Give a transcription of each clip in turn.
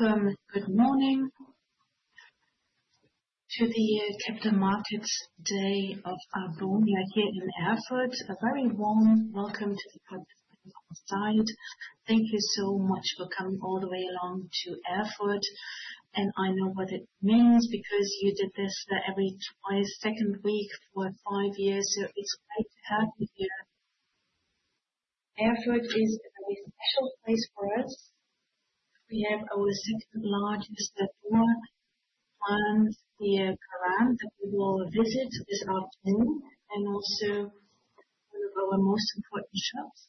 Welcome, good morning, to the Capital Markets Day of Arbonia here in Erfurt. A very warm welcome to the public on the side. Thank you so much for coming all the way along to Erfurt. I know what it means because you did this every second week for five years, so it's great to have you here. Erfurt is a very special place for us. We have our second largest store and the Garant that we will visit this afternoon, and also one of our most important shops.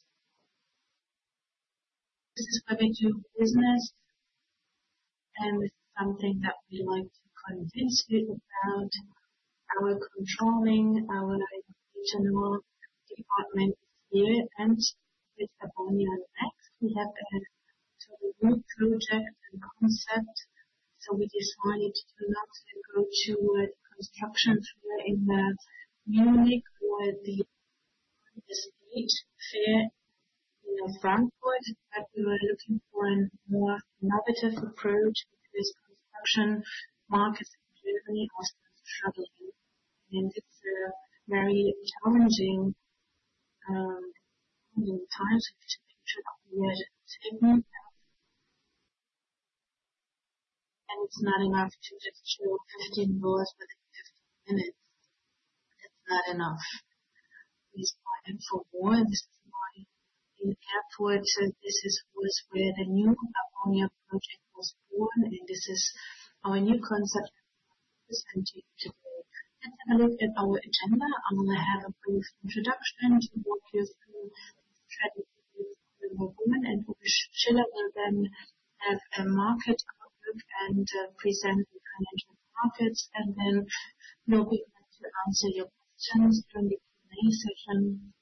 This is where we do business, and this is something that we like to convince you about. Our controlling, our regional department is here, and with Arbonia Next, we have a new project and concept. We decided to not go to the construction fair in Munich or the fair in Frankfurt, but we were looking for a more innovative approach because construction markets in Germany are still struggling. It is a very challenging time, so we should be sure that we are taking that. It is not enough to just show 15 doors within 15 minutes. It is not enough. We are fighting for more. This is why in Erfurt, this is where the new Arbonia project was born, and this is our new concept that we want to present to you today. Let's have a look at our agenda. I am going to have a brief introduction to walk you through the strategy for Arbonia Next, and then we will have a market outlook and present the financial markets. We will be happy to answer your questions during the Q&A session.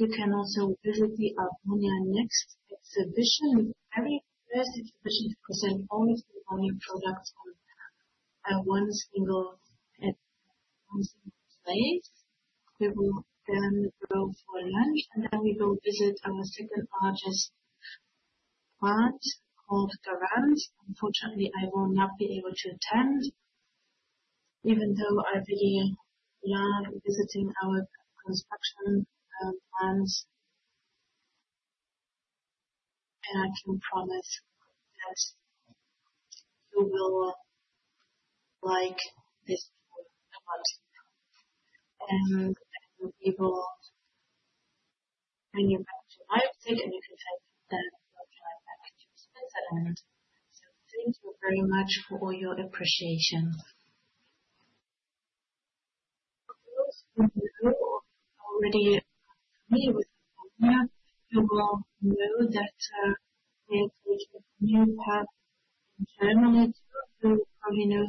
You can also visit the Arbonia Next exhibition, the very first exhibition to present all of the Arbonia products in one single place. We will then go for lunch, and then we will visit our second largest plant called Garant. Unfortunately, I will not be able to attend, even though I really love visiting our construction plants. I can promise that you will like this a lot. We will bring you back to Leipzig, and you can take the drive back to Switzerland. Thank you very much for all your appreciation. Those who know or are already familiar with Arbonia will know that we are taking a new path in Germany. You probably know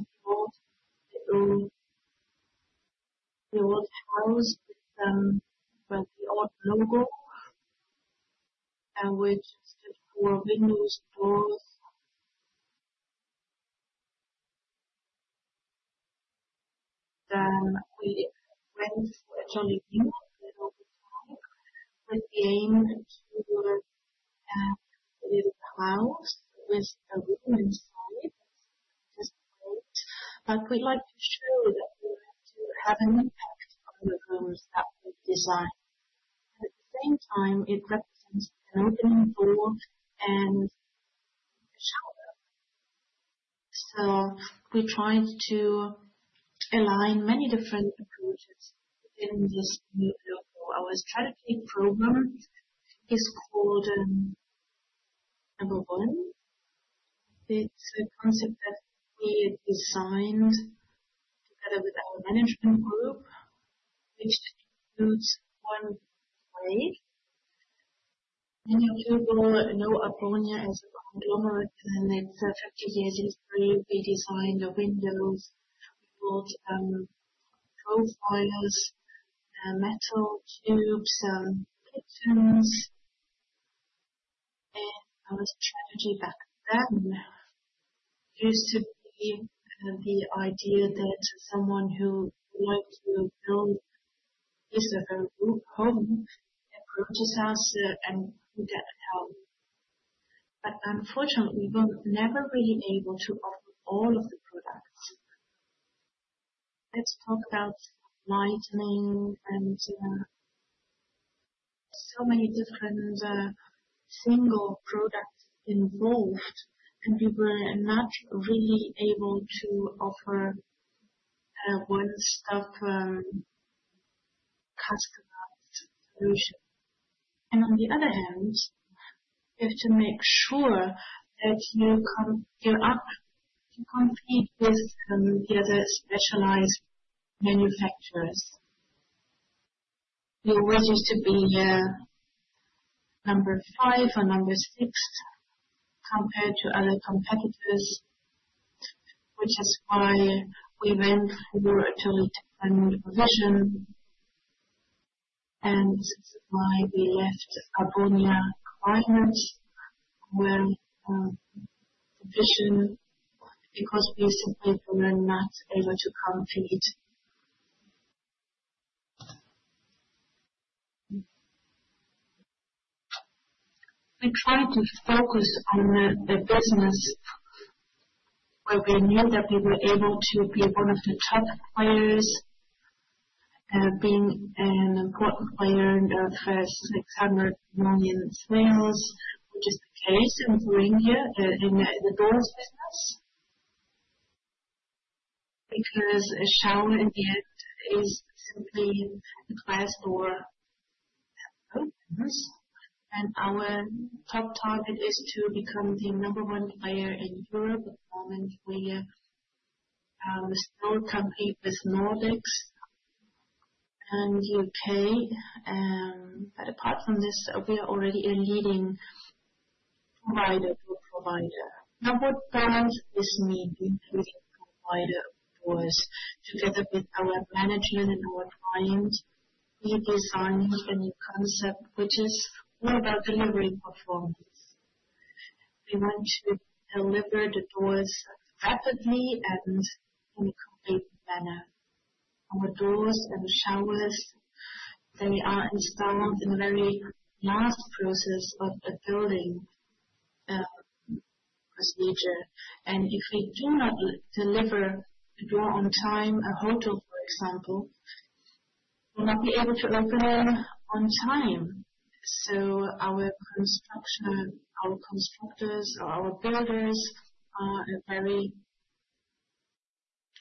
the old house with the old logo. We have just had four windows, doors. We'd like to show that we're going to have an impact on the homes that we design. At the same time, it represents an opening door and a shower. We tried to align many different approaches within this new logo. Our strategy program is called Arbonia One. It's a concept that we designed together with our management group, which includes one way. Many of you will know Arbonia as a conglomerate, and it's 50 years history. We designed the windows, we built profiles, metal tubes, kitchens. Our strategy back then used to be the idea that someone who would like to build this is a home approaches us and we get help. Unfortunately, we were never really able to offer all of the products. Let's talk about lighting and so many different single products involved, and we were not really able to offer one stop customer solution. On the other hand, you have to make sure that you compete with the other specialized manufacturers. We always used to be number five or number six compared to other competitors, which is why we went for a return provision. This is why we left Arbonia Climate with the vision because we simply were not able to compete. We tried to focus on the business where we knew that we were able to be one of the top players, being an important player in the first 600 million sales, which is the case in the door business. Because a shower in the end is simply a glass door. Our top target is to become the number one player in Europe at the moment. We still compete with the Nordics and the U.K. Apart from this, we are already a leading provider. Now, what does this mean? The leading provider does together with our management and our clients. We designed a new concept, which is all about delivering performance. We want to deliver the doors rapidly and in a complete manner. Our doors and showers, they are installed in the very last process of the building procedure. If we do not deliver a door on time, a hotel, for example, will not be able to open on time. Our constructors or our builders are very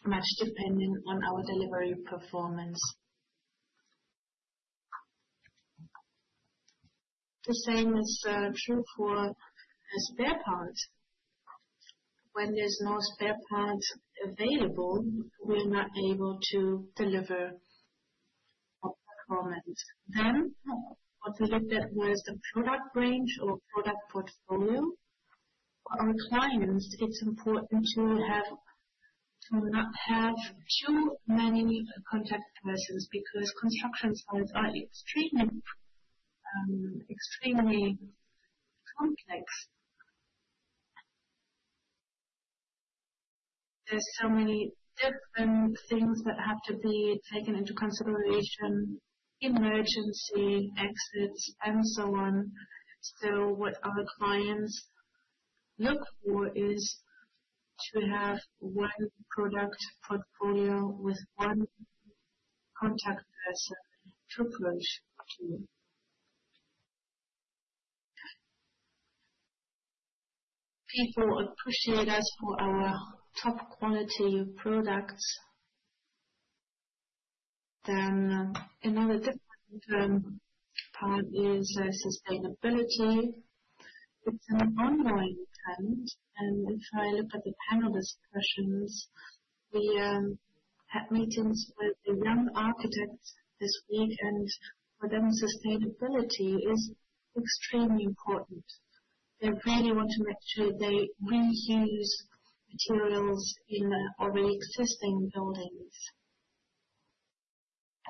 much dependent on our delivery performance. The same is true for a spare part. When there is no spare part available, we are not able to deliver our performance. What we looked at was the product range or product portfolio. For our clients, it is important to not have too many contact persons because construction sites are extremely complex. There are so many different things that have to be taken into consideration: emergency exits, and so on. What our clients look for is to have one product portfolio with one contact person to approach to. People appreciate us for our top quality products. Another different part is sustainability. It is an ongoing trend. If I look at the panel discussions, we had meetings with the young architects this week, and for them, sustainability is extremely important. They really want to make sure they reuse materials in already existing buildings.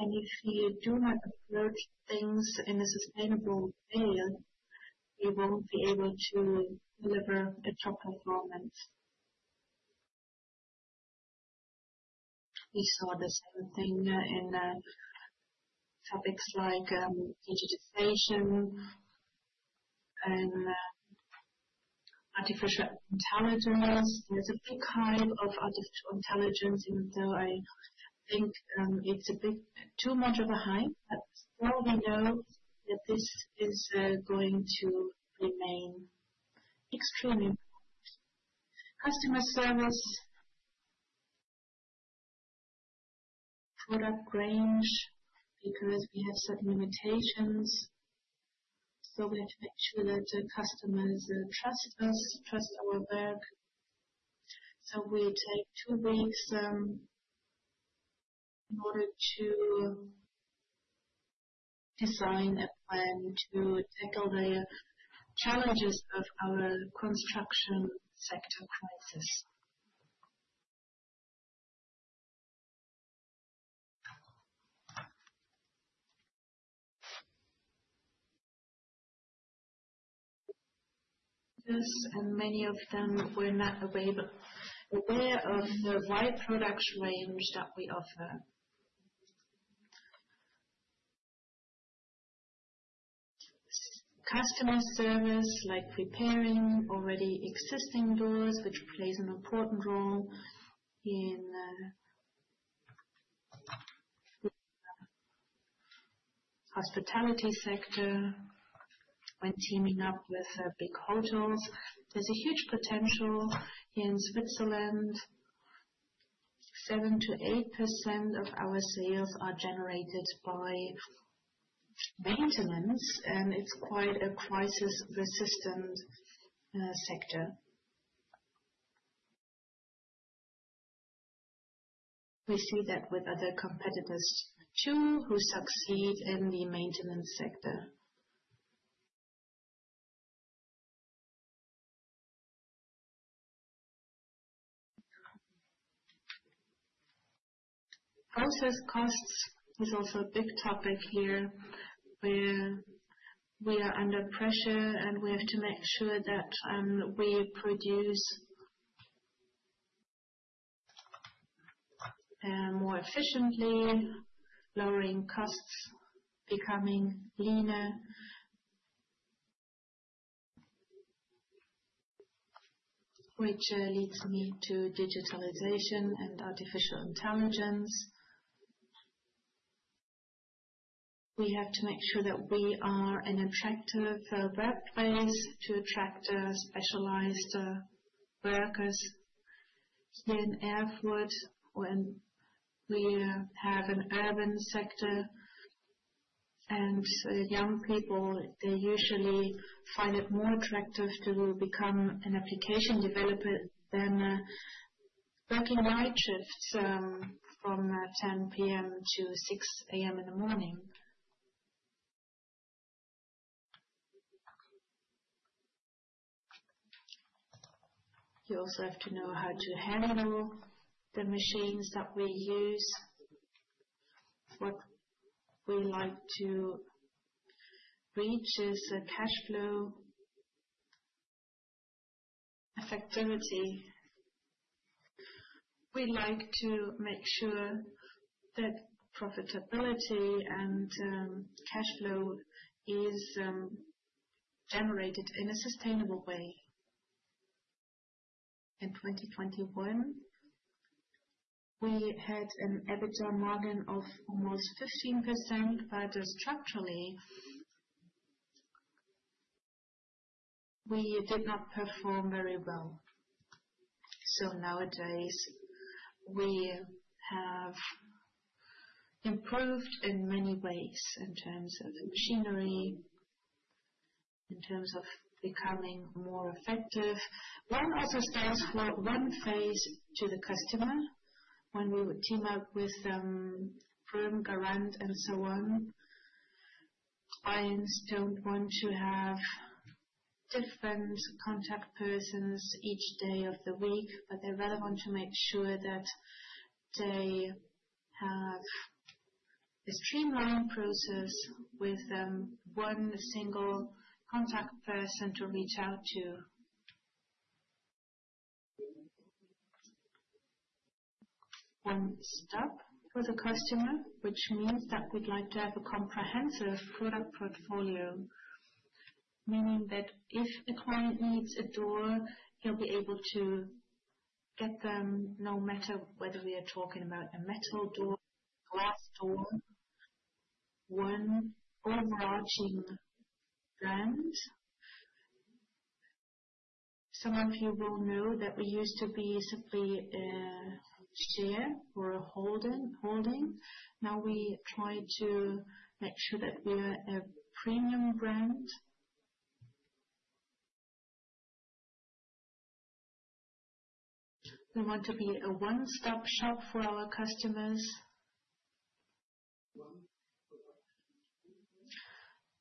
If you do not approach things in a sustainable way, we will not be able to deliver a top performance. We saw the same thing in topics like digitization and artificial intelligence. There's a big hype of artificial intelligence, even though I think it's too much of a hype. Still, we know that this is going to remain extremely important. Customer service, product range, because we have certain limitations. We have to make sure that customers trust us, trust our work. We take two weeks in order to design a plan to tackle the challenges of our construction sector crisis. Many of them were not aware of the wide product range that we offer. Customer service, like repairing already existing doors, which plays an important role in the hospitality sector when teaming up with big hotels. There's a huge potential in Switzerland. 7%-8% of our sales are generated by maintenance, and it's quite a crisis-resistant sector. We see that with other competitors too who succeed in the maintenance sector. Process costs is also a big topic here. We are under pressure, and we have to make sure that we produce more efficiently, lowering costs, becoming leaner, which leads me to digitalization and artificial intelligence. We have to make sure that we are an attractive workplace to attract specialized workers here in Erfurt, when we have an urban sector. Young people, they usually find it more attractive to become an application developer than working night shifts from 10:00 P.M. to 6:00 A.M. in the morning. You also have to know how to handle the machines that we use. What we like to reach is a cash flow effectivity. We like to make sure that profitability and cash flow is generated in a sustainable way. In 2021, we had an EBITDA margin of almost 15%, but structurally, we did not perform very well. Nowadays, we have improved in many ways in terms of machinery, in terms of becoming more effective. One also stands for one face to the customer when we team up with Prüm, Garant, and so on. Clients do not want to have different contact persons each day of the week, but they rather want to make sure that they have a streamlined process with one single contact person to reach out to. One stop for the customer, which means that we would like to have a comprehensive product portfolio, meaning that if a client needs a door, he will be able to get them no matter whether we are talking about a metal door, glass door, one overarching brand. Some of you will know that we used to be simply a share or a holding. Now, we try to make sure that we are a premium brand. We want to be a one-stop shop for our customers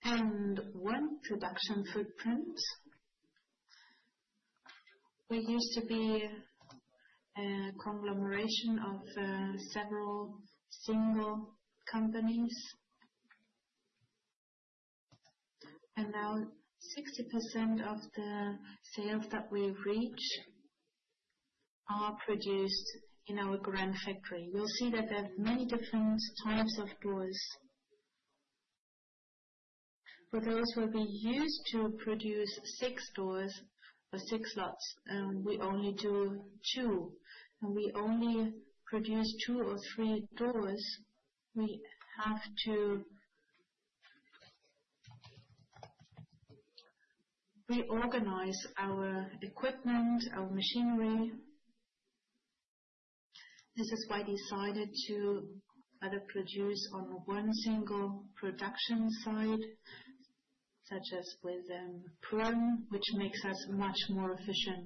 and one production footprint. We used to be a conglomeration of several single companies. Now, 60% of the sales that we reach are produced in our grand factory. You'll see that there are many different types of doors. For those where we used to produce six doors or six lots, we only do two. We only produce two or three doors. We have to reorganize our equipment, our machinery. This is why we decided to either produce on one single production site, such as with Prüm, which makes us much more efficient.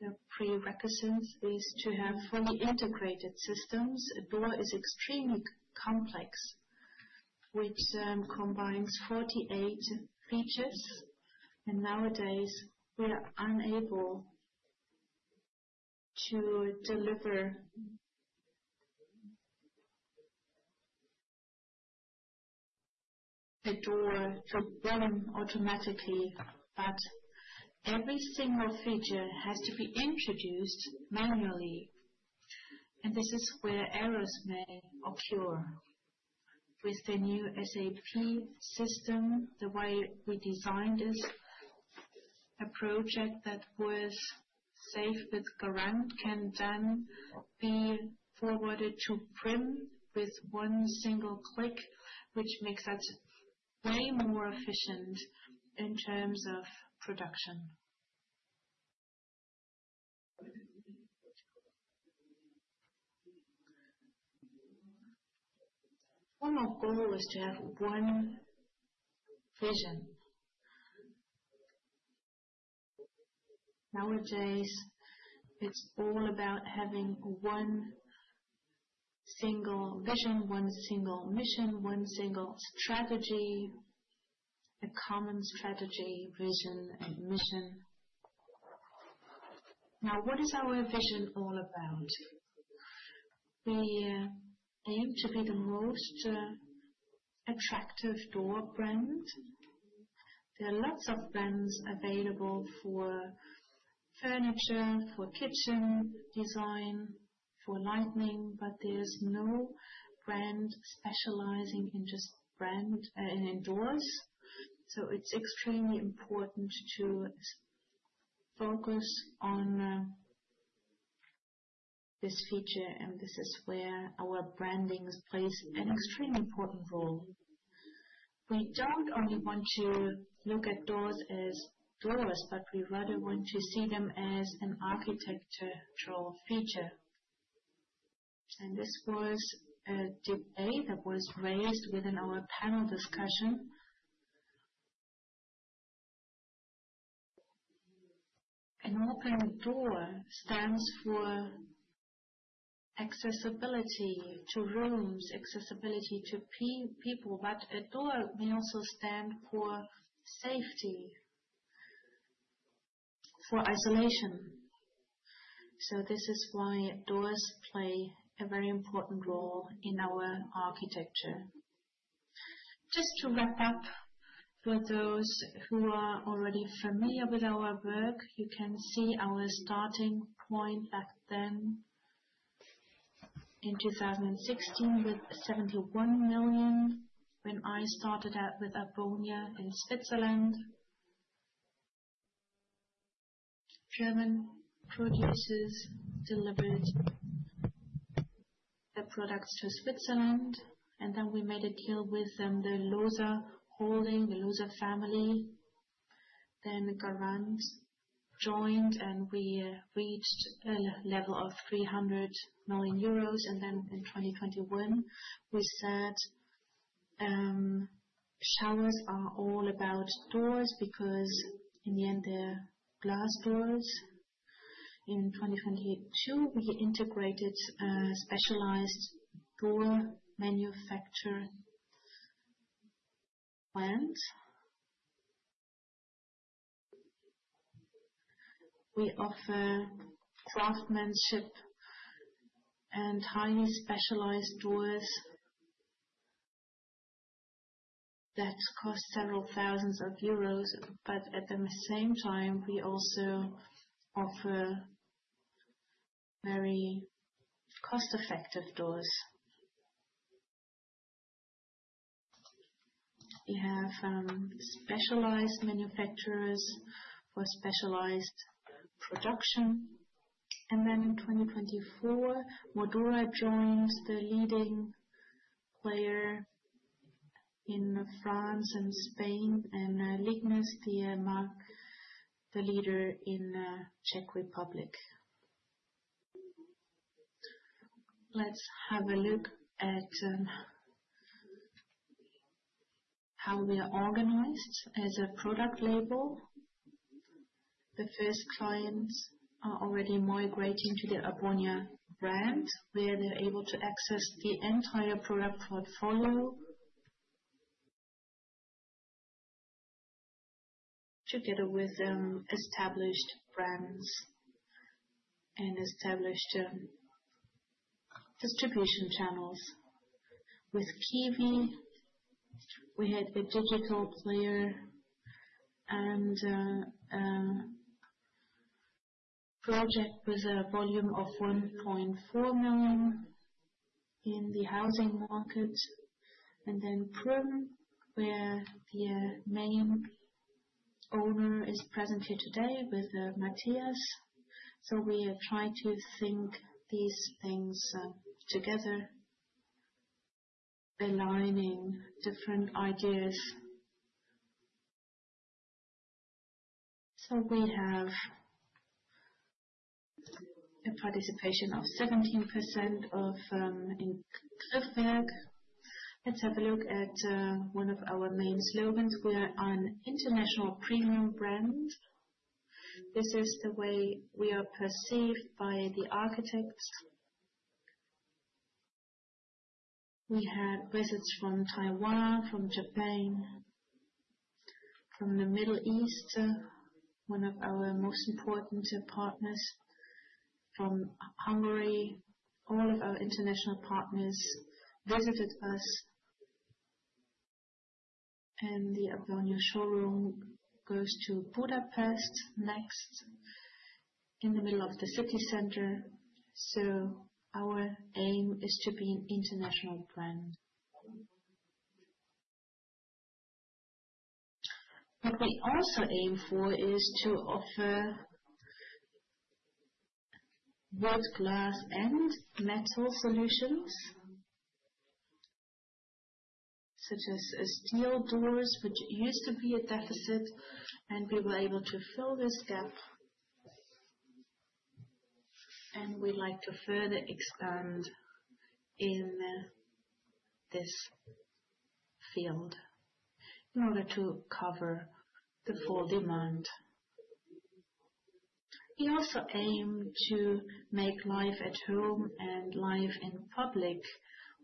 The prerequisite is to have fully integrated systems. A door is extremely complex, which combines 48 features. Nowadays, we are unable to deliver a door to Prüm automatically, but every single feature has to be introduced manually. This is where errors may occur. With the new SAP system, the way we designed this, a project that was safe with Garant can then be forwarded to Prüm with one single click, which makes us way more efficient in terms of production. One more goal is to have one vision. Nowadays, it's all about having one single vision, one single mission, one single strategy, a common strategy, vision, and mission. Now, what is our vision all about? We aim to be the most attractive door brand. There are lots of brands available for furniture, for kitchen design, for lighting, but there's no brand specializing in just brand in doors. It is extremely important to focus on this feature, and this is where our branding plays an extremely important role. We do not only want to look at doors as doors, but we rather want to see them as an architectural feature. This was a debate that was raised within our panel discussion. An open door stands for accessibility to rooms, accessibility to people, but a door may also stand for safety, for isolation. This is why doors play a very important role in our architecture. Just to wrap up, for those who are already familiar with our work, you can see our starting point back then in 2016 with 71 million when I started out with Arbonia in Switzerland. German producers delivered the products to Switzerland, and then we made a deal with the Looser Holding, the Looser family. Garant joined, and we reached a level of 300 million euros. In 2021, we said showers are all about doors because in the end, they're glass doors. In 2022, we integrated a specialized door manufacturer brand. We offer craftsmanship and highly specialized doors that cost several thousands of euros. At the same time, we also offer very cost-effective doors. We have specialized manufacturers for specialized production. In 2024, Dimoldura joined, the leading player in France and Spain, and Lignis, the leader in the Czech Republic. Let's have a look at how we are organized as a product label. The first clients are already migrating to the Arbonia brand, where they're able to access the entire product portfolio together with established brands and established distribution channels. With KIWI, we had a digital player and a project with a volume of 1.4 million in the housing market. Then Prüm, where the main owner is present here today with Matthias. We try to think these things together, aligning different ideas. We have a participation of 17% in Clickwerk. Let's have a look at one of our main slogans. We are an international premium brand. This is the way we are perceived by the architects. We had visits from Taiwan, from Japan, from the Middle East, one of our most important partners, from Hungary. All of our international partners visited us. The Arbonia showroom goes to Budapest next, in the middle of the city center. Our aim is to be an international brand. What we also aim for is to offer wood, glass, and metal solutions, such as steel doors, which used to be a deficit, and we were able to fill this gap. We would like to further expand in this field in order to cover the full demand. We also aim to make life at home and life in public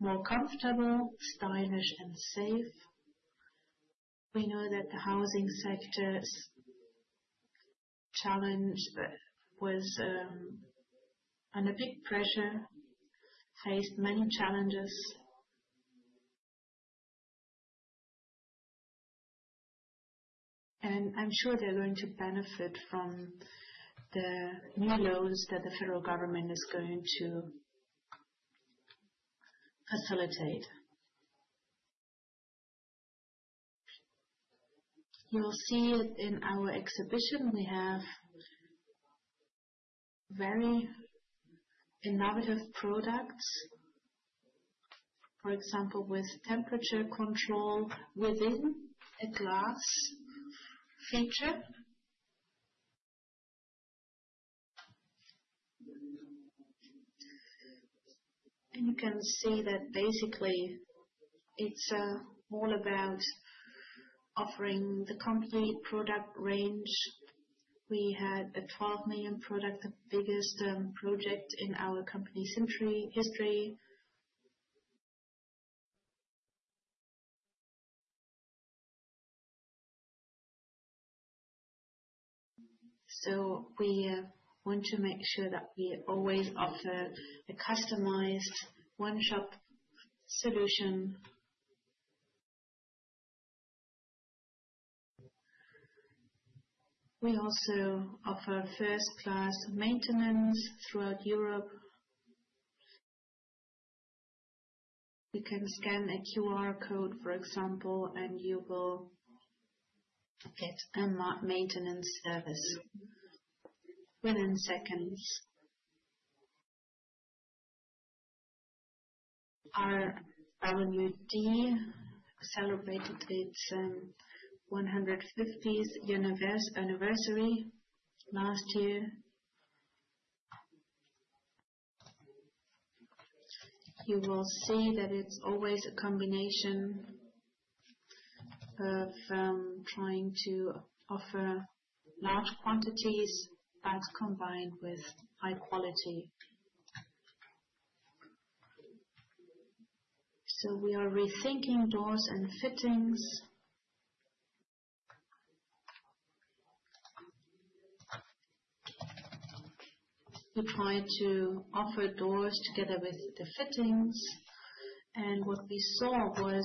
more comfortable, stylish, and safe. We know that the housing sector was under big pressure, faced many challenges. I am sure they are going to benefit from the new loans that the federal government is going to facilitate. You will see it in our exhibition. We have very innovative products, for example, with temperature control within a glass feature. You can see that basically it is all about offering the complete product range. We had a 12 million product, the biggest project in our company's history. We want to make sure that we always offer a customized one-shop solution. We also offer first-class maintenance throughout Europe. You can scan a QR code, for example, and you will get a maintenance service within seconds. Our RWD celebrated its 150th anniversary last year. You will see that it is always a combination of trying to offer large quantities that is combined with high quality. We are rethinking doors and fittings. We try to offer doors together with the fittings. What we saw was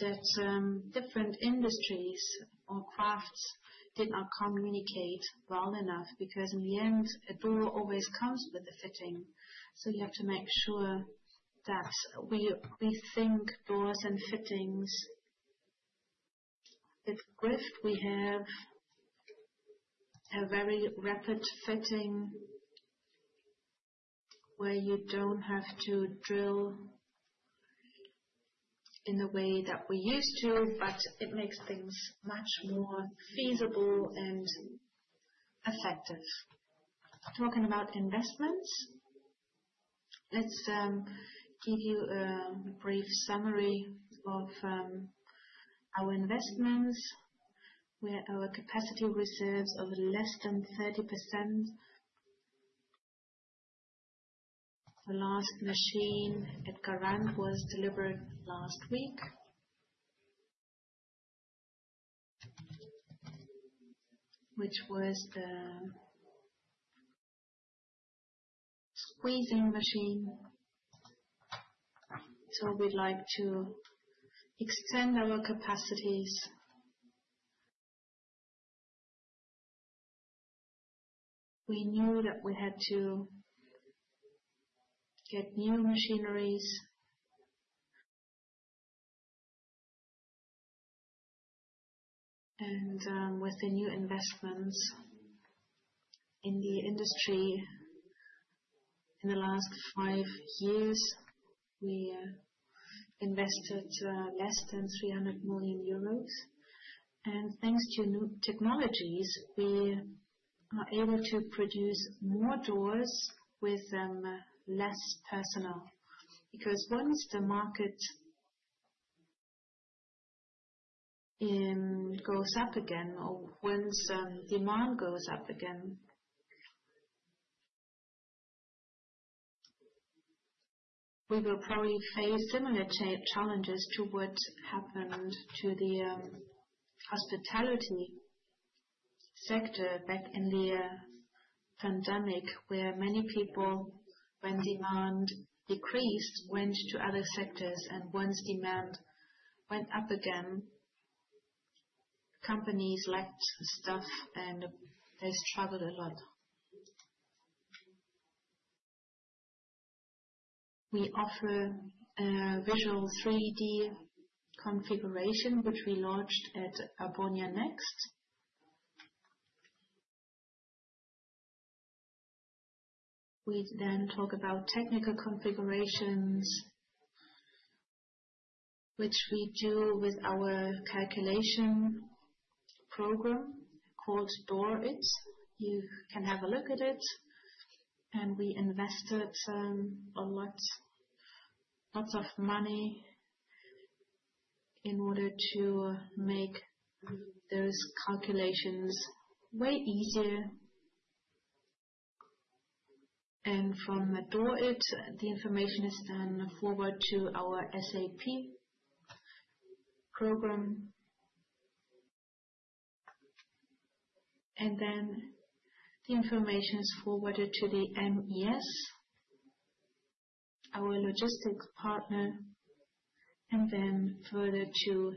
that different industries or crafts did not communicate well enough because in the end, a door always comes with a fitting. You have to make sure that we rethink doors and fittings with Griff. We have a very rapid fitting where you do not have to drill in the way that we used to, but it makes things much more feasible and effective. Talking about investments, let's give you a brief summary of our investments, where our capacity reserves are less than 30%. The last machine at Garant was delivered last week, which was the squeezing machine. We would like to extend our capacities. We knew that we had to get new machineries. With the new investments in the industry in the last five years, we invested less than 300 million euros. Thanks to new technologies, we are able to produce more doors with less personnel. Because once the market goes up again or once demand goes up again, we will probably face similar challenges to what happened to the hospitality sector back in the pandemic, where many people, when demand decreased, went to other sectors. Once demand went up again, companies lacked staff, and they struggled a lot. We offer a visual 3D configuration, which we launched at Arbonia Next. We then talk about technical configurations, which we do with our calculation program called DoorIT. You can have a look at it. We invested lots of money in order to make those calculations way easier. From the DoorIT, the information is then forwarded to our SAP program. The information is forwarded to the MES, our logistics partner, and then further to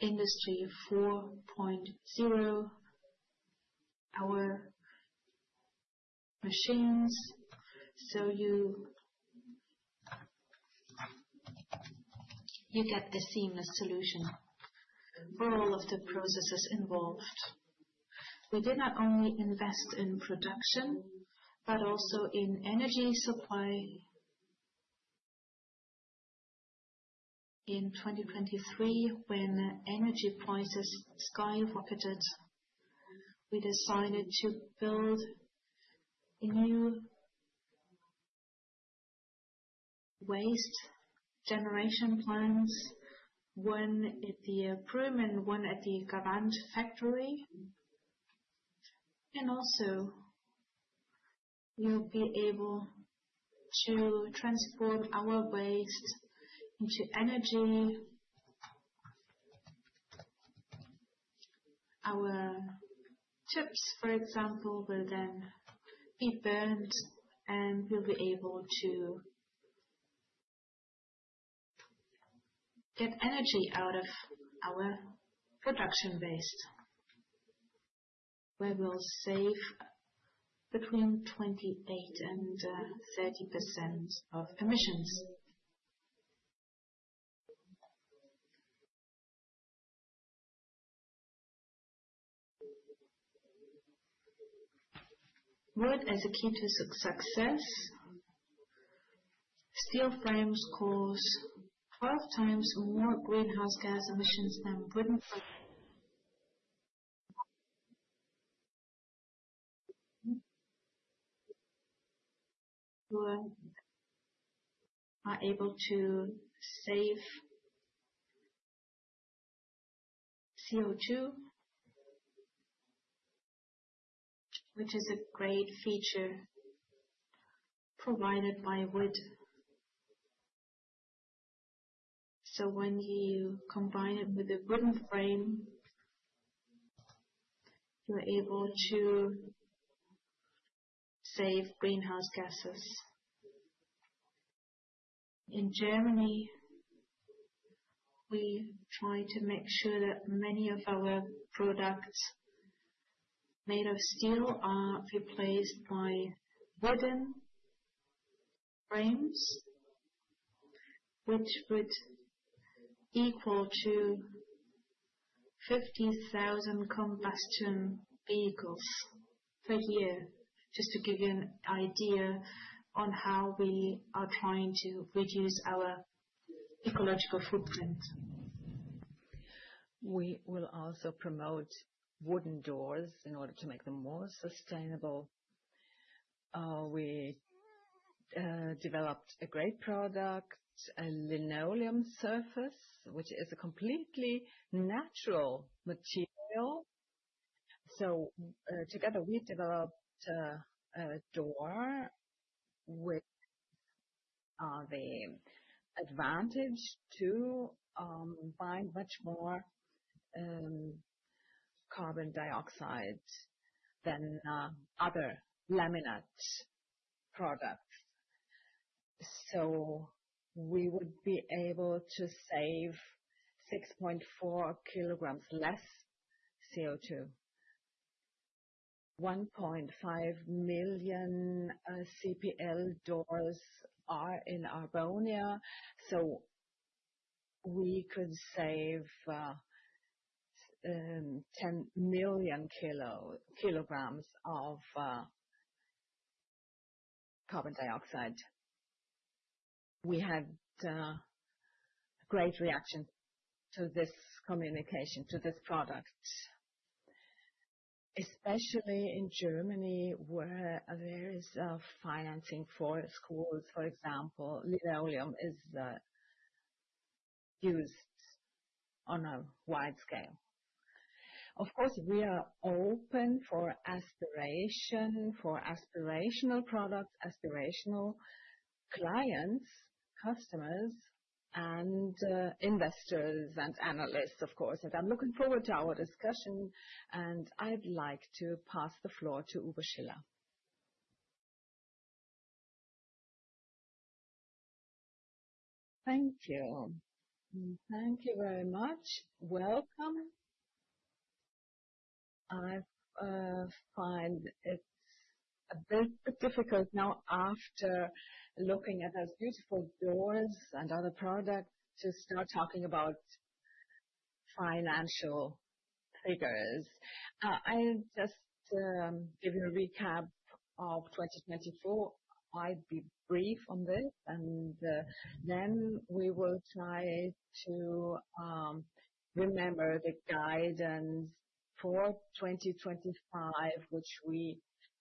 Industry 4.0, our machines. You get the seamless solution for all of the processes involved. We did not only invest in production but also in energy supply. In 2023, when energy prices skyrocketed, we decided to build new waste generation plants, one at the Prüm and one at the Garant factory. We will also be able to transform our waste into energy. Our chips, for example, will then be burned, and we'll be able to get energy out of our production waste, where we'll save between 28% and 30% of emissions. Wood as a key to success. Steel frames cause 12 times more greenhouse gas emissions than wooden frames. We are able to save CO2, which is a great feature provided by wood. When you combine it with a wooden frame, you're able to save greenhouse gases. In Germany, we try to make sure that many of our products made of steel are replaced by wooden frames, which would equal to 50,000 combustion vehicles per year, just to give you an idea on how we are trying to reduce our ecological footprint. We will also promote wooden doors in order to make them more sustainable. We developed a great product, a linoleum surface, which is a completely natural material. Together, we developed a door with the advantage to bind much more carbon dioxide than other laminate products. We would be able to save 6.4 kg less CO2. 1.5 million CPL doors are in Arbonia, so we could save 10 million kg of carbon dioxide. We had a great reaction to this communication, to this product, especially in Germany, where there is financing for schools. For example, linoleum is used on a wide scale. Of course, we are open for aspiration, for aspirational products, aspirational clients, customers, and investors and analysts, of course. I am looking forward to our discussion, and I would like to pass the floor to Uwe Schiller. Thank you. Thank you very much. Welcome. I find it is a bit difficult now, after looking at those beautiful doors and other products, to start talking about financial figures. I will just give you a recap of 2024. I'll be brief on this, and then we will try to remember the guidance for 2025, which we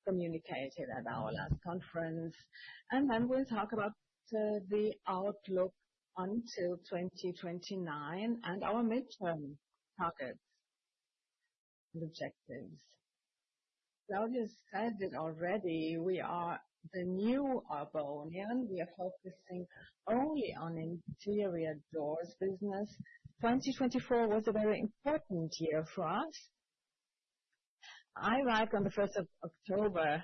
communicated at our last conference. Then we'll talk about the outlook until 2029 and our midterm targets and objectives. Claudius said it already. We are the new Arbonia. We are focusing only on interior doors business. 2024 was a very important year for us. I arrived on the 1st of October.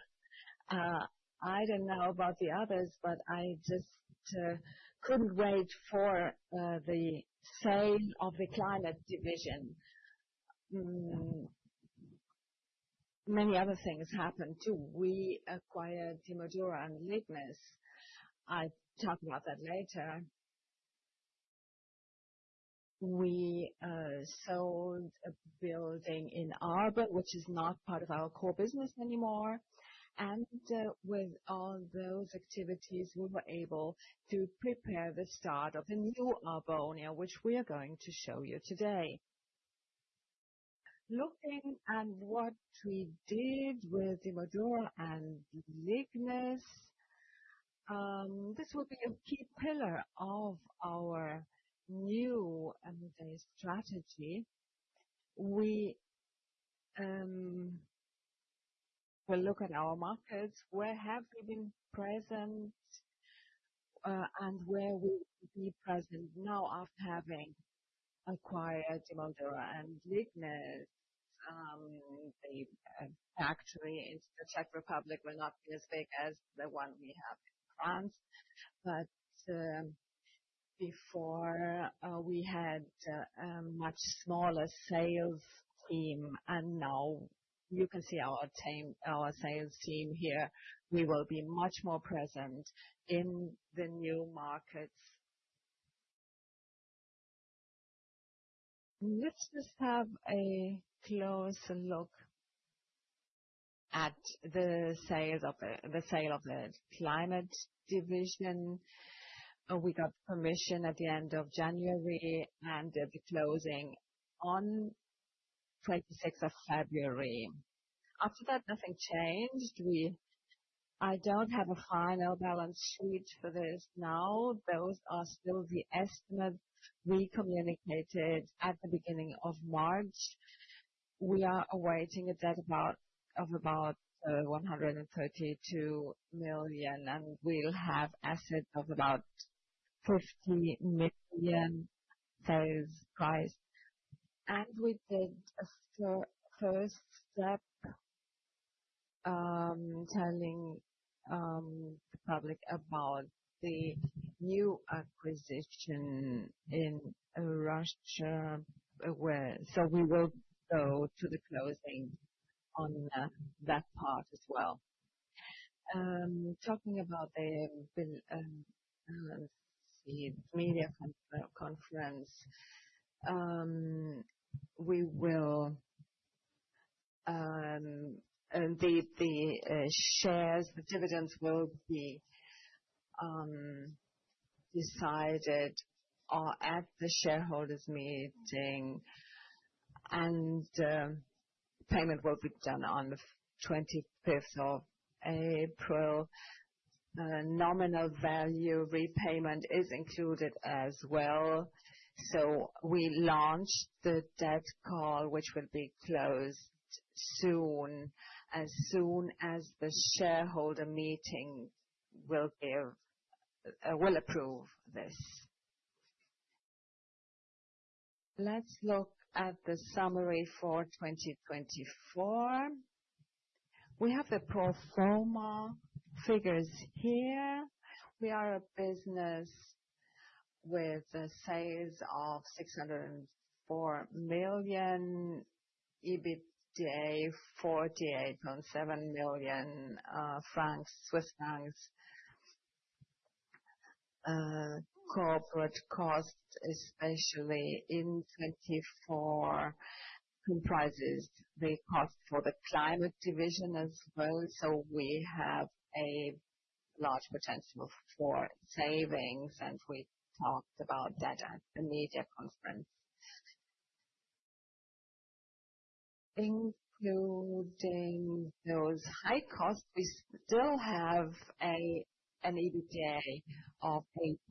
I don't know about the others, but I just couldn't wait for the sale of the Climate division. Many other things happened too. We acquired Dimoldura and Lignis. I'll talk about that later. We sold a building in Arbon, which is not part of our core business anymore. With all those activities, we were able to prepare the start of the new Arbonia, which we are going to show you today. Looking at what we did with Dimoldura and Lignis, this will be a key pillar of our new strategy. We will look at our markets, where have we been present, and where will we be present now after having acquired Dimoldura and Lignis? The factory in the Czech Republic will not be as big as the one we have in France. Before, we had a much smaller sales team, and now you can see our sales team here. We will be much more present in the new markets. Let's just have a close look at the sale of the Climate division. We got permission at the end of January and at the closing on 26th of February. After that, nothing changed. I don't have a final balance sheet for this now. Those are still the estimates we communicated at the beginning of March. We are awaiting a debt of about 132 million, and we'll have assets of about 50 million sales price. We did a first step telling the public about the new acquisition in Russia. We will go to the closing on that part as well. Talking about the media conference, the shares, the dividends will be decided at the shareholders' meeting, and payment will be done on the 25th of April. Nominal value repayment is included as well. We launched the debt call, which will be closed soon, as soon as the shareholder meeting will approve this. Let's look at the summary for 2024. We have the pro forma figures here. We are a business with sales of 604 million, EBITDA 48.7 million francs. Corporate costs, especially in 2024, comprises the cost for the Climate division as well. We have a large potential for savings, and we talked about that at the media conference. Including those high costs, we still have an EBITDA of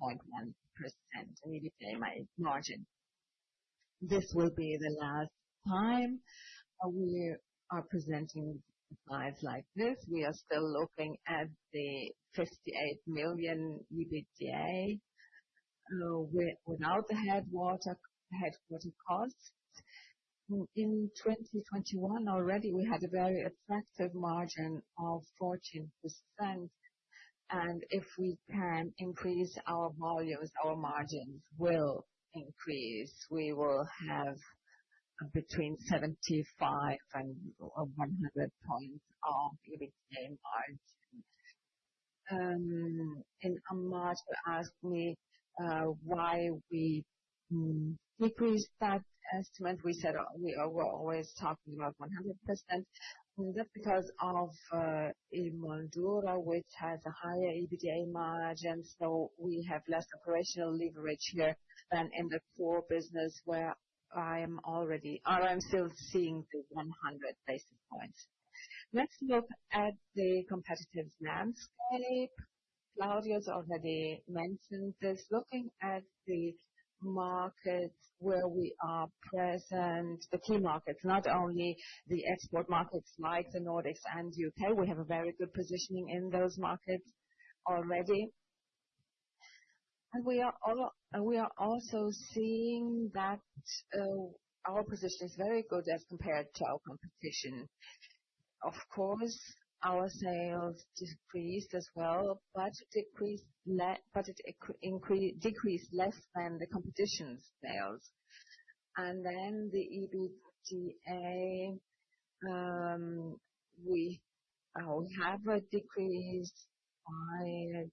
8.1%, an EBITDA margin. This will be the last time we are presenting slides like this. We are still looking at the 58 million EBITDA without the headquarter costs. In 2021, already, we had a very attractive margin of 14%. If we can increase our volumes, our margins will increase. We will have between 75 and 100 basis points of EBITDA margin. In March, you asked me why we decreased that estimate. We said we were always talking about 100 basis points. That is because of Dimoldura, which has a higher EBITDA margin. We have less operational leverage here than in the core business, where I am already or I am still seeing the 100 basis points. Let's look at the competitive landscape. Claudius has already mentioned this. Looking at the markets where we are present, the key markets, not only the export markets like the Nordics and the U.K., we have a very good positioning in those markets already. We are also seeing that our position is very good as compared to our competition. Of course, our sales decreased as well, but it decreased less than the competition's sales. The EBITDA, we have a decrease by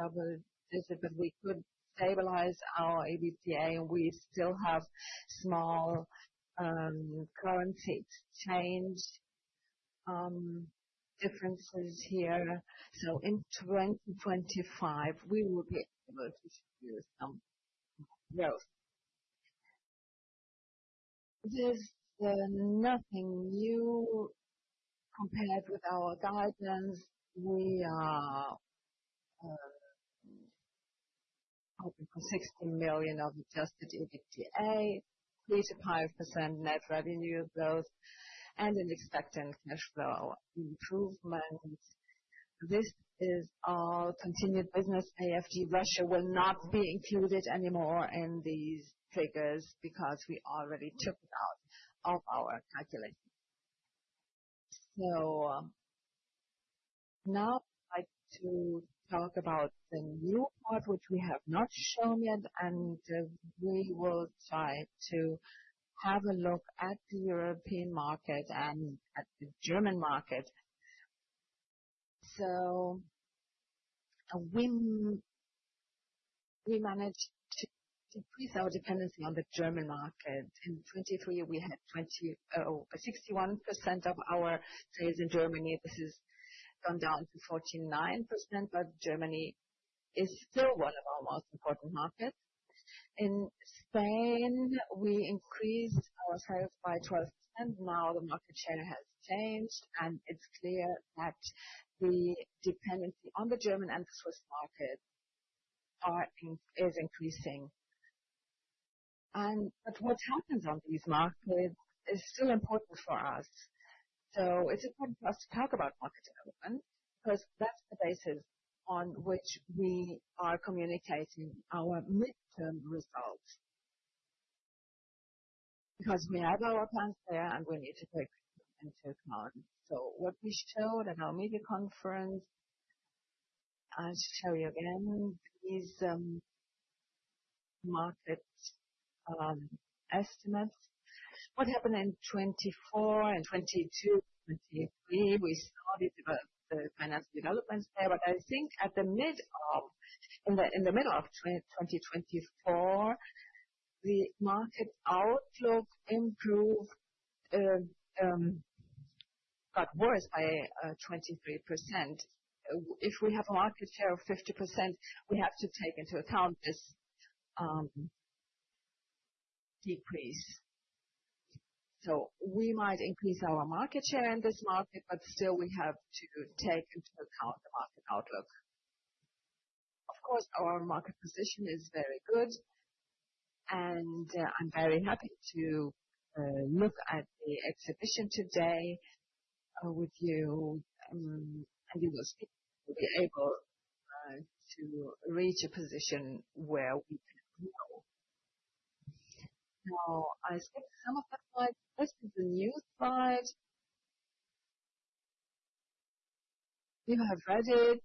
double digit, but we could stabilize our EBITDA, and we still have small currency exchange differences here. In 2025, we will be able to produce some growth. There is nothing new compared with our guidance. We are hoping for CHF 60 million of adjusted EBITDA, 3-5% net revenue growth, and an expected cash flow improvement. This is our continued business. AFG Russia will not be included anymore in these figures because we already took it out of our calculation. Now I'd like to talk about the new part, which we have not shown yet, and we will try to have a look at the European market and at the German market. We managed to decrease our dependency on the German market. In 2023, we had 61% of our sales in Germany. This has gone down to 49%, but Germany is still one of our most important markets. In Spain, we increased our sales by 12%. Now the market share has changed, and it's clear that the dependency on the German and the Swiss markets is increasing. What happens on these markets is still important for us. It is important for us to talk about market development because that is the basis on which we are communicating our midterm results because we have our plans there, and we need to take them into account. What we showed at our media conference, I will show you again these market estimates. What happened in 2024 and 2022, 2023, we started the financial developments there, but I think at the middle of 2024, the market outlook improved, got worse by 23%. If we have a market share of 50%, we have to take into account this decrease. We might increase our market share in this market, but still we have to take into account the market outlook. Of course, our market position is very good, and I am very happy to look at the exhibition today with you, and you will be able to reach a position where we can grow. Now, I skipped some of the slides. This is the new slide. You have read it.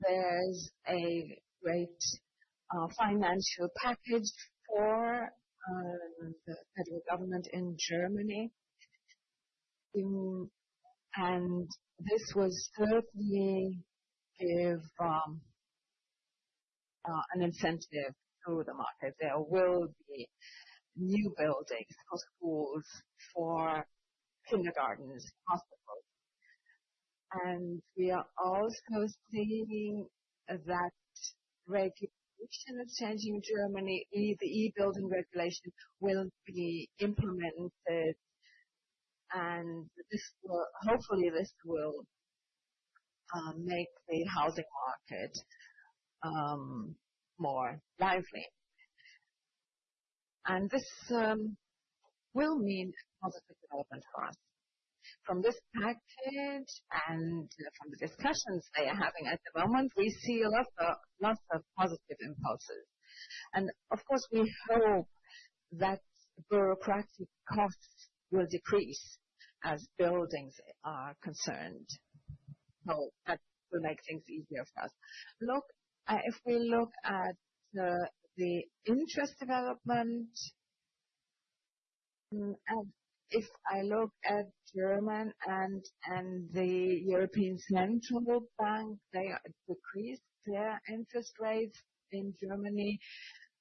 There is a great financial package for the federal government in Germany. This will certainly give an incentive to the market. There will be new buildings, hospitals, for kindergartens, hospitals. We are also seeing that regulation is changing in Germany. The e-building regulation will be implemented, and hopefully, this will make the housing market more lively. This will mean positive development for us. From this package and from the discussions they are having at the moment, we see lots of positive impulses. Of course, we hope that bureaucratic costs will decrease as buildings are concerned. That will make things easier for us. If we look at the interest development, and if I look at Germany and the European Central Bank, they have decreased their interest rates in Germany.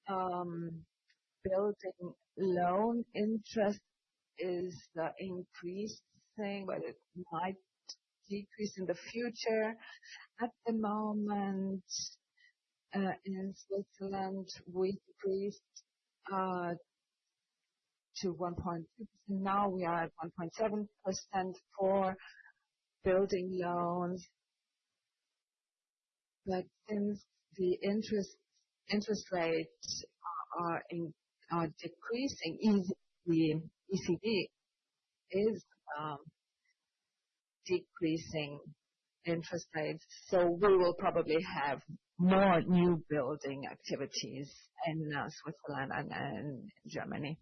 Building loan interest is increasing, but it might decrease in the future. At the moment in Switzerland, we decreased to 1.2%. Now we are at 1.7% for building loans. Since the interest rates are decreasing, ECB is decreasing interest rates. We will probably have more new building activities in Switzerland and in Germany.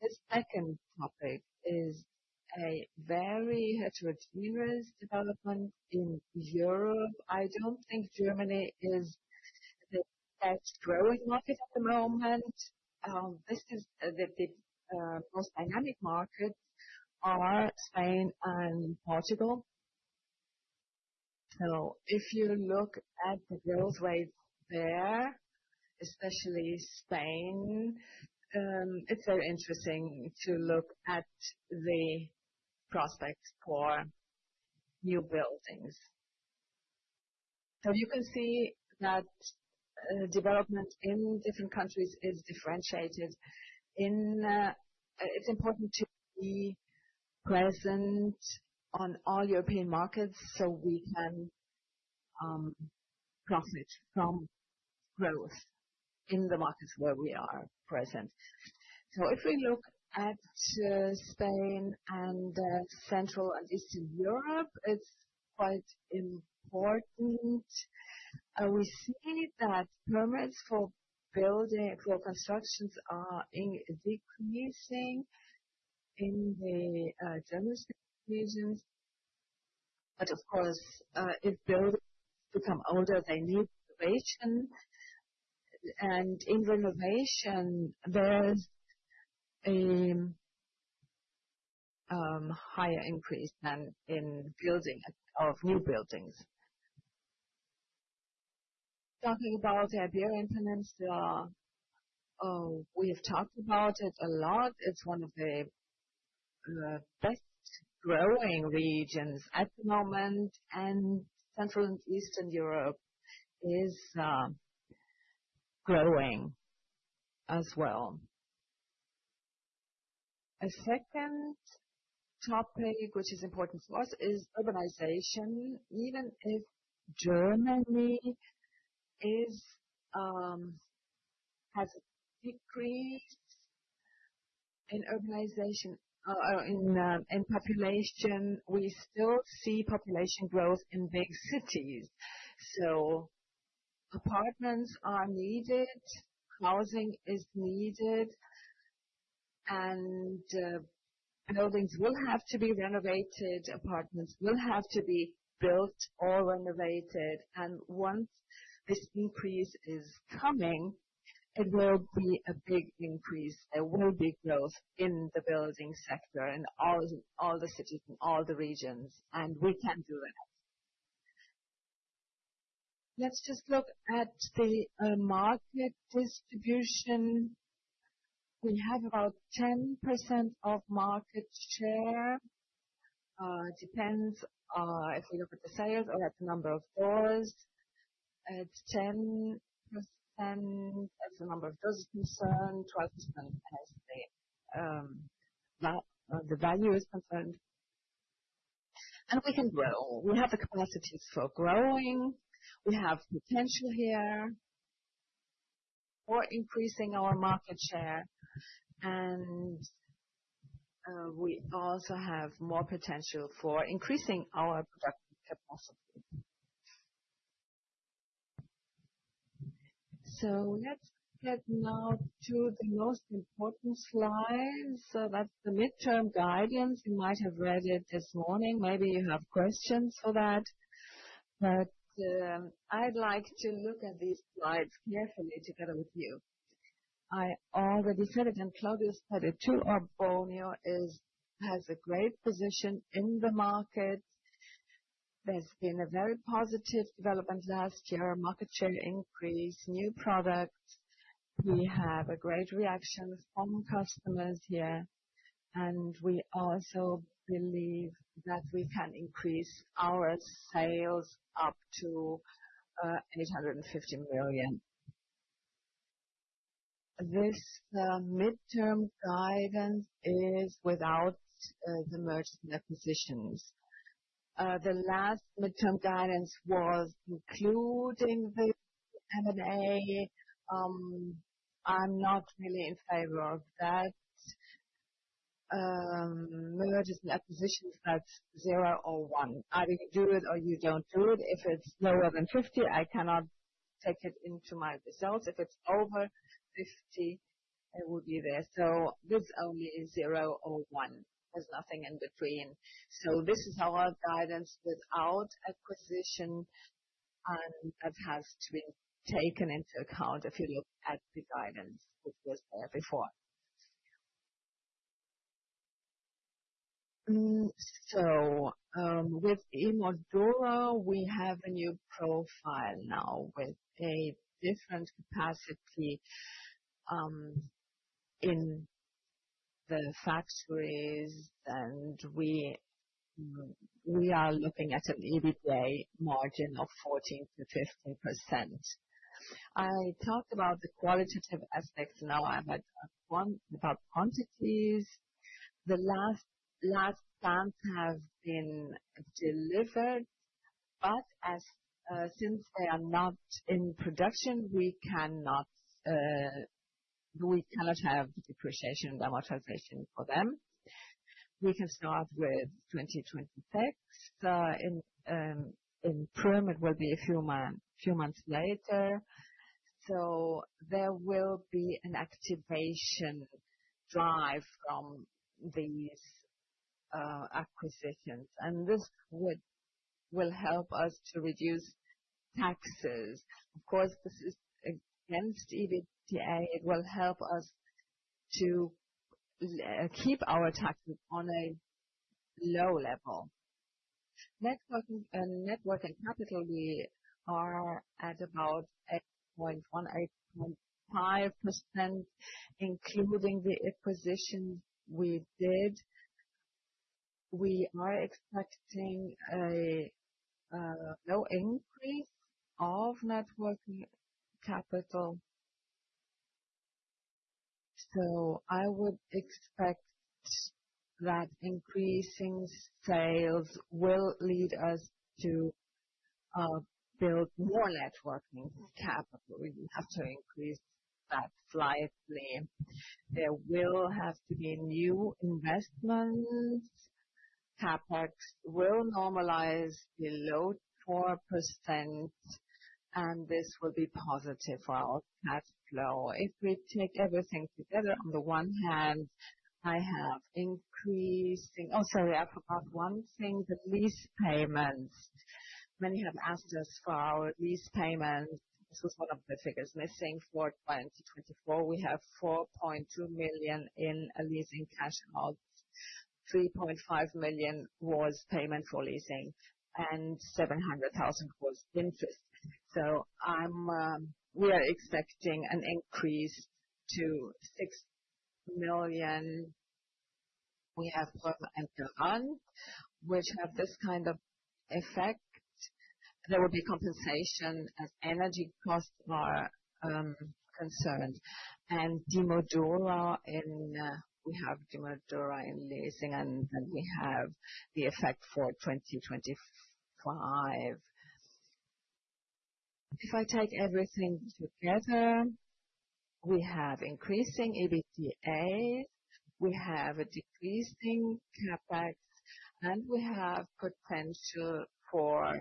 The second topic is a very heterogeneous development in Europe. I do not think Germany is the best growing market at the moment. The most dynamic markets are Spain and Portugal. If you look at the growth rates there, especially Spain, it is very interesting to look at the prospects for new buildings. You can see that development in different countries is differentiated. It is important to be present on all European markets so we can profit from growth in the markets where we are present. If we look at Spain and Central and Eastern Europe, it's quite important. We see that permits for constructions are decreasing in the German region. Of course, if buildings become older, they need renovation. In renovation, there's a higher increase than in building of new buildings. Talking about the Iberian Peninsula, we have talked about it a lot. It's one of the best growing regions at the moment, and Central and Eastern Europe is growing as well. A second topic, which is important for us, is urbanization. Even if Germany has decreased in population, we still see population growth in big cities. Apartments are needed, housing is needed, and buildings will have to be renovated. Apartments will have to be built or renovated. Once this increase is coming, it will be a big increase. There will be growth in the building sector in all the cities and all the regions, and we can do that. Let's just look at the market distribution. We have about 10% of market share. It depends if we look at the sales or at the number of doors. It's 10% as the number of doors is concerned, 12% as the value is concerned. We can grow. We have the capacity for growing. We have potential here for increasing our market share, and we also have more potential for increasing our production capacity. Let's get now to the most important slides. That's the midterm guidance. You might have read it this morning. Maybe you have questions for that. I'd like to look at these slides carefully together with you. I already said it, and Claudius said it too. Arbonia has a great position in the market. There's been a very positive development last year, market share increase, new products. We have a great reaction from customers here, and we also believe that we can increase our sales up to CHF 850 million. This midterm guidance is without the mergers and acquisitions. The last midterm guidance was including the M&A. I'm not really in favor of that. Mergers and acquisitions, that's 0 or 1. Either you do it or you don't do it. If it's lower than 50, I cannot take it into my results. If it's over 50, it will be there. This only is 0 or 1. There's nothing in between. This is our guidance without acquisition, and that has to be taken into account if you look at the guidance that was there before. With Dimoldura, we have a new profile now with a different capacity in the factories, and we are looking at an EBITDA margin of 14-15%. I talked about the qualitative aspects now. I've had about quantities. The last plants have been delivered, but since they are not in production, we cannot have depreciation and amortization for them. We can start with 2026. In print, it will be a few months later. There will be an activation drive from these acquisitions, and this will help us to reduce taxes. Of course, this is against EBITDA. It will help us to keep our taxes on a low level. Net working capital, we are at about 8.1%-8.5%, including the acquisitions we did. We are expecting a low increase of net working capital. I would expect that increasing sales will lead us to build more net working capital. We have to increase that slightly. There will have to be new investments. CapEx will normalize below 4%, and this will be positive for our cash flow. If we take everything together, on the one hand, I have increasing—oh, sorry, I forgot one thing—the lease payments. Many have asked us for our lease payments. This was one of the figures missing for 2024. We have 4.2 million in leasing cash out, 3.5 million was payment for leasing, and 700,000 was interest. We are expecting an increase to 6 million. We have government and government, which have this kind of effect. There will be compensation as energy costs are concerned. We have Dimoldura in leasing, and then we have the effect for 2025. If I take everything together, we have increasing EBITDA, we have a decreasing CapEx, and we have potential for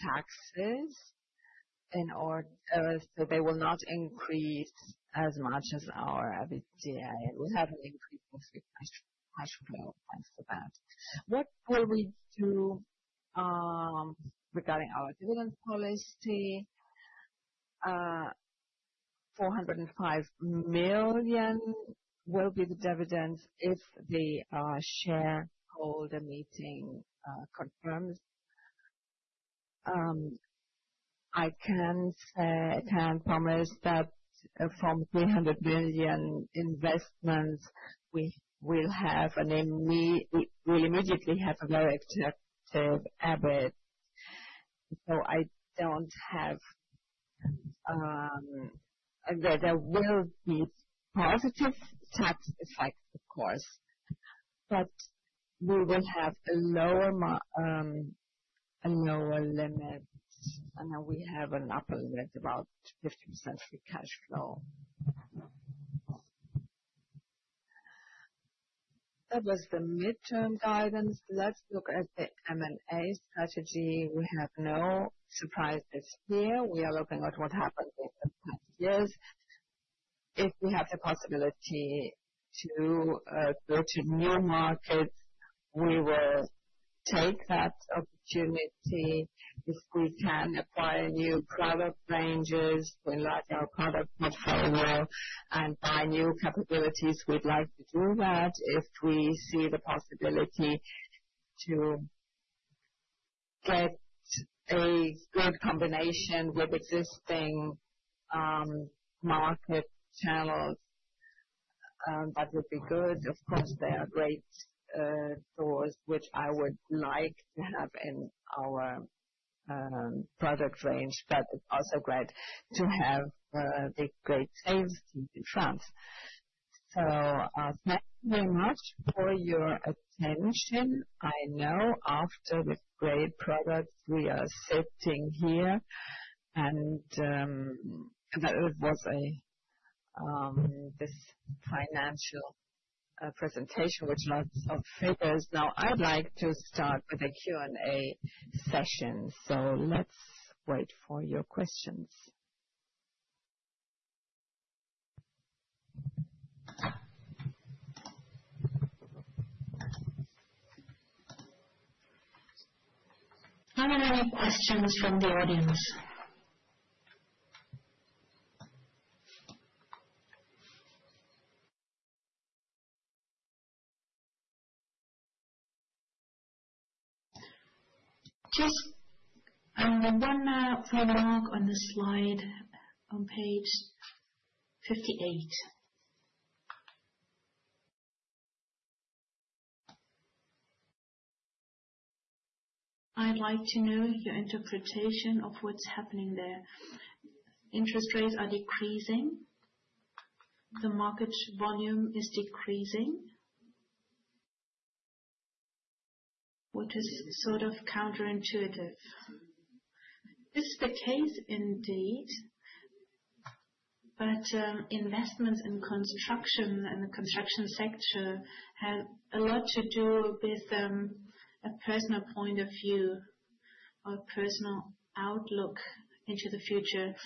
taxes. They will not increase as much as our EBITDA. We have an increase in cash flow thanks to that. What will we do regarding our dividend policy? 405 million will be the dividends if the shareholder meeting confirms. I can promise that from 300 million investments, we will immediately have a very attractive EBITDA. I do not have—there will be positive tax effect, of course, but we will have a lower limit. We have an upper limit, about 50% free cash flow. That was the midterm guidance. Let's look at the M&A strategy. We have no surprises here. We are looking at what happened in the past years. If we have the possibility to go to new markets, we will take that opportunity. If we can acquire new product ranges, we like our product portfolio and buy new capabilities, we would like to do that. If we see the possibility to get a good combination with existing market channels, that would be good. Of course, there are great doors, which I would like to have in our product range, but it's also great to have the great sales team in France. Thank you very much for your attention. I know after the great products, we are sitting here, and that was this financial presentation, with lots of figures. Now, I'd like to start with a Q&A session. Let's wait for your questions. How many questions from the audience? Just one more prologue on the slide on page 58. I'd like to know your interpretation of what's happening there. Interest rates are decreasing. The market volume is decreasing, which is sort of counterintuitive. This is the case, indeed, but investments in construction and the construction sector have a lot to do with a personal point of view or a personal outlook into the future?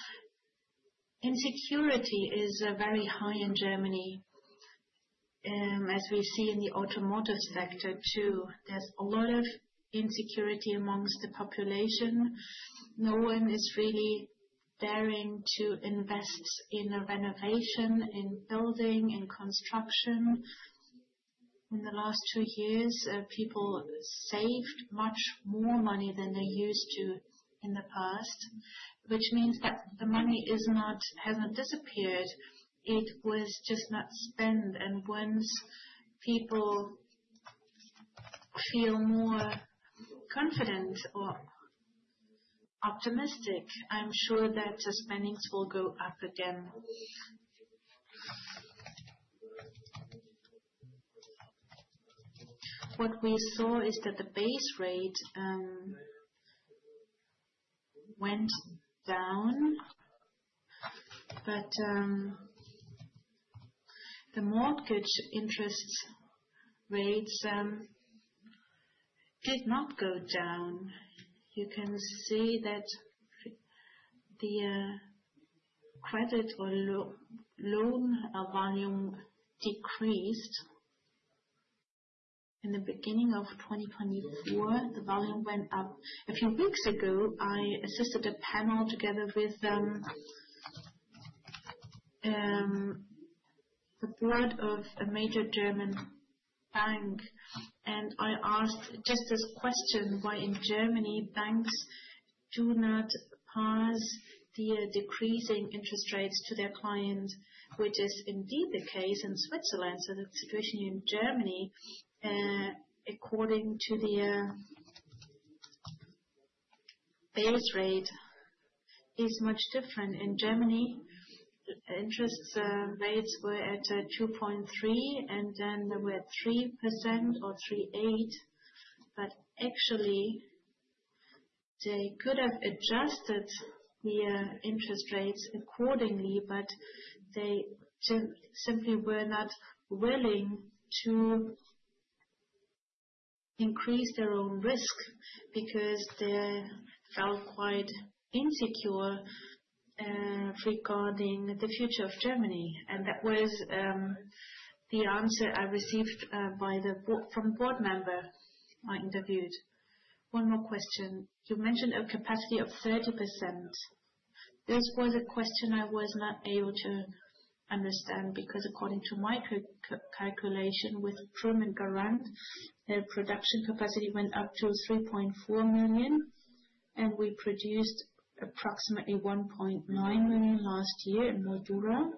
Insecurity is very high in Germany, as we see in the automotive sector too. There's a lot of insecurity amongst the population. No one is really daring to invest in renovation, in building, in construction. In the last two years, people saved much more money than they used to in the past, which means that the money hasn't disappeared. It was just not spent. Once people feel more confident or optimistic, I'm sure that the spendings will go up again. What we saw is that the base rate went down, but the mortgage interest rates did not go down. You can see that the credit or loan volume decreased. In the beginning of 2024, the volume went up. A few weeks ago, I assisted a panel together with the board of a major German bank, and I asked just this question: why in Germany banks do not pass the decreasing interest rates to their clients, which is indeed the case in Switzerland? The situation in Germany, according to the base rate, is much different. In Germany, interest rates were at 2.3, and then they were 3% or 3.8%. Actually, they could have adjusted the interest rates accordingly, but they simply were not willing to increase their own risk because they felt quite insecure regarding the future of Germany. That was the answer I received from a board member I interviewed. One more question. You mentioned a capacity of 30%. This was a question I was not able to understand because, according to my calculation with Garant, their production capacity went up to 3.4 million, and we produced approximately 1.9 million last year in Dimoldura,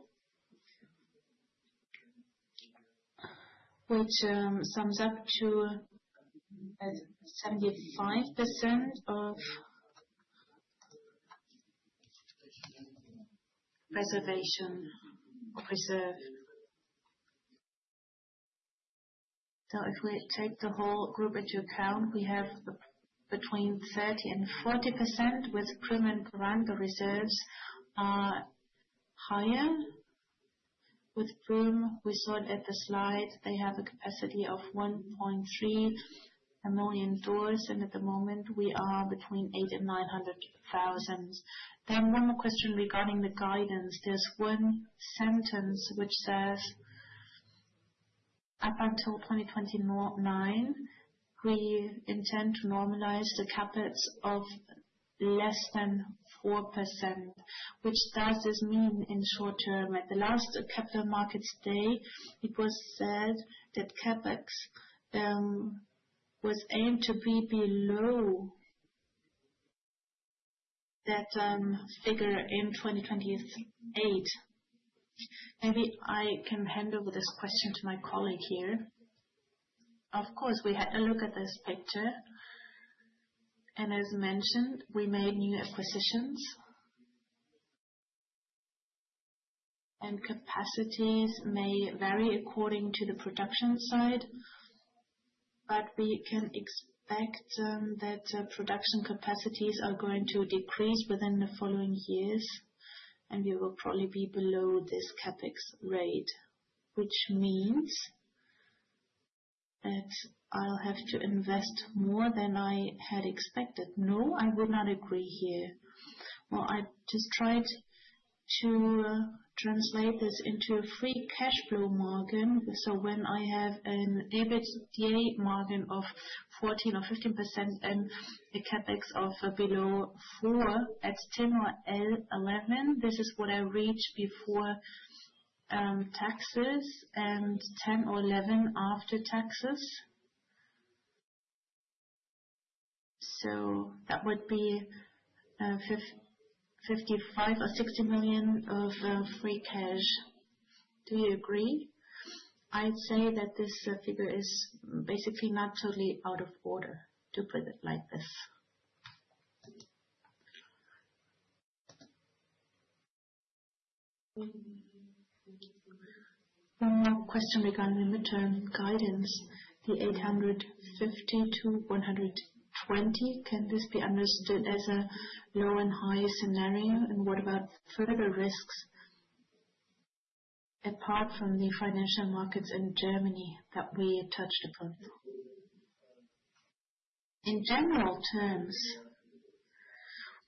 which sums up to 75% of reservation. If we take the whole group into account, we have between 30% and 40%, with Garant, the reserves are higher. With Prüm, we saw it at the slide. They have a capacity of 1.3 million doors, and at the moment, we are between 800,000 and 900,000. One more question regarding the guidance. There is one sentence which says, "Up until 2029, we intend to normalize the CapEx of less than 4%." What does this mean in short term? At the last capital markets day, it was said that CapEx was aimed to be below that figure in 2028. Maybe I can hand over this question to my colleague here. Of course, we had to look at this picture. As mentioned, we made new acquisitions. Capacities may vary according to the production side, but we can expect that production capacities are going to decrease within the following years, and we will probably be below this CapEx rate, which means that I'll have to invest more than I had expected. No, I would not agree here. I just tried to translate this into a free cash flow margin. When I have an EBITDA margin of 14% or 15% and a CapEx of below four at 10 or 11, this is what I reached before taxes and 10 or 11 after taxes. That would be 55 million or 60 million of free cash. Do you agree? I'd say that this figure is basically not totally out of order to put it like this. One more question regarding the midterm guidance. The 850-120, can this be understood as a low and high scenario? What about further risks apart from the financial markets in Germany that we touched upon? In general terms,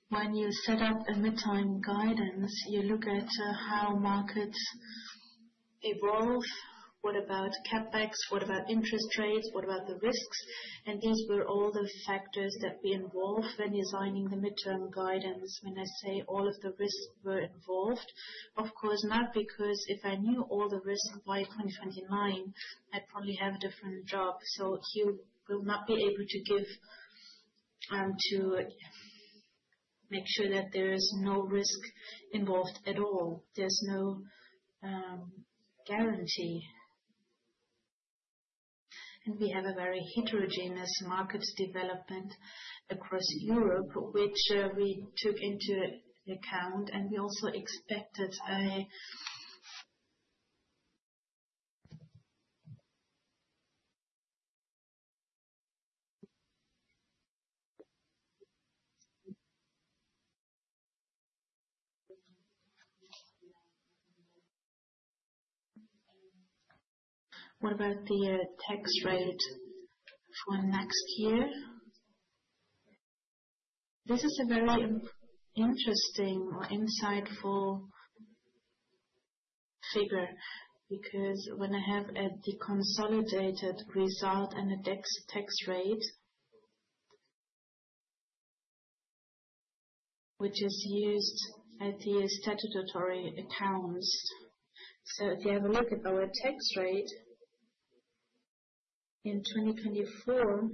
when you set up a midterm guidance, you look at how markets evolve. What about CapEx? What about interest rates? What about the risks? These were all the factors that were involved when designing the midterm guidance. When I say all of the risks were involved, of course, not because if I knew all the risks by 2029, I'd probably have a different job. You will not be able to make sure that there is no risk involved at all. There's no guarantee. We have a very heterogeneous market development across Europe, which we took into account, and we also expected a— What about the tax rate for next year? This is a very interesting or insightful figure because when I have the consolidated result and the tax rate, which is used at the statutory accounts. If you have a look at our tax rate in 2024,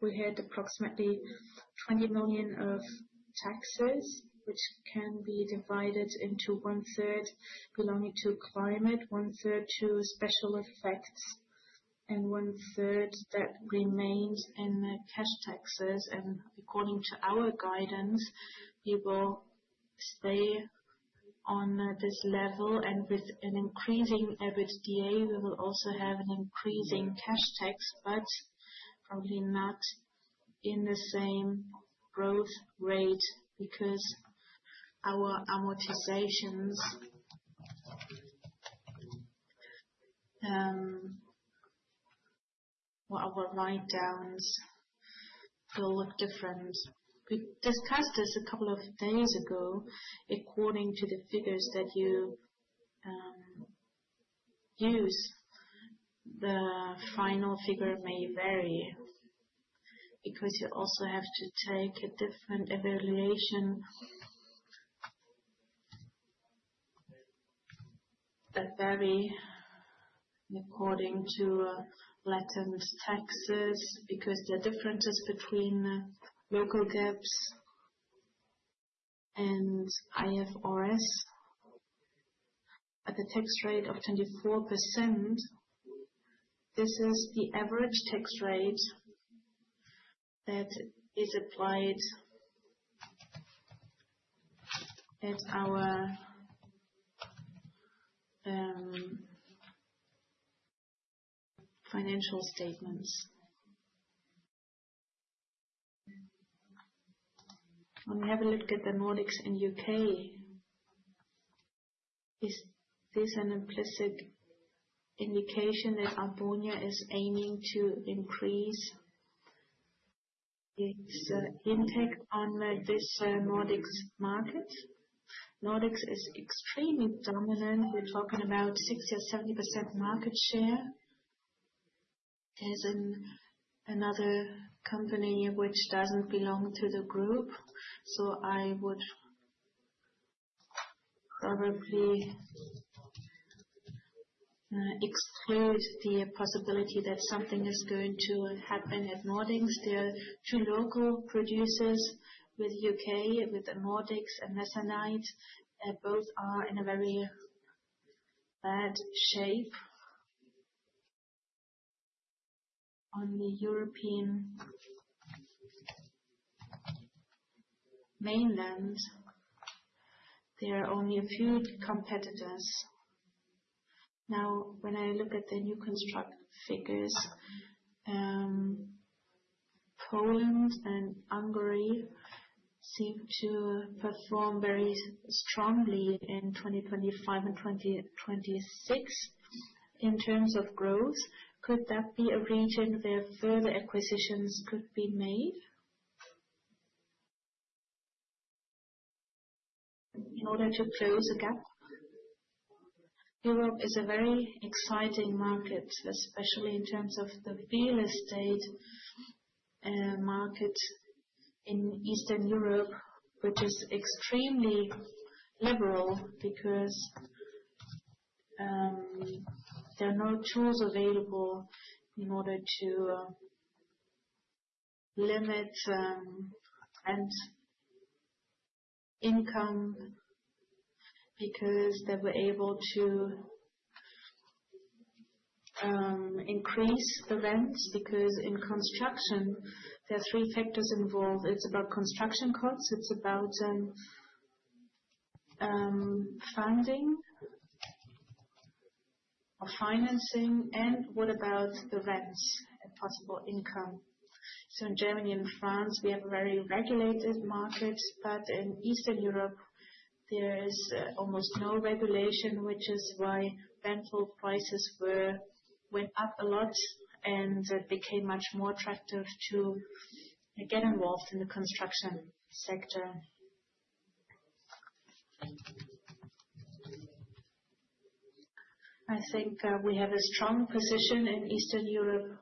we had approximately 20 million of taxes, which can be divided into one-third belonging to Climate, one-third to special effects, and one-third that remained in cash taxes. According to our guidance, we will stay on this level. With an increasing EBITDA, we will also have an increasing cash tax, but probably not in the same growth rate because our amortizations or our write-downs will look different. We discussed this a couple of days ago. According to the figures that you use, the final figure may vary because you also have to take a different evaluation that varies according to latent taxes because there are differences between local gaps and IFRS. At a tax rate of 24%, this is the average tax rate that is applied at our financial statements. When we have a look at the Nordics and U.K. Is this an implicit indication that Arbonia is aiming to increase its impact on this Nordics market? Nordics is extremely dominant. We're talking about 60% or 70% market share. There's another company which doesn't belong to the group, so I would probably exclude the possibility that something is going to happen at Nordics. There are two local producers with U.K., with the Nordics and Masonite. Both are in a very bad shape. On the European mainland, there are only a few competitors. Now, when I look at the new construct figures, Poland and Hungary seem to perform very strongly in 2025 and 2026 In terms of growth could that be a region where further acquisitions could be made in order to close the gap? Europe is a very exciting market, especially in terms of the real estate market in Eastern Europe, which is extremely liberal because there are no tools available in order to limit rent income because they were able to increase the rents. Because in construction, there are three factors involved. It's about construction costs. It's about funding or financing. And what about the rents and possible income? In Germany and France, we have a very regulated market, but in Eastern Europe, there is almost no regulation, which is why rental prices went up a lot and became much more attractive to get involved in the construction sector. I think we have a strong position in Eastern Europe.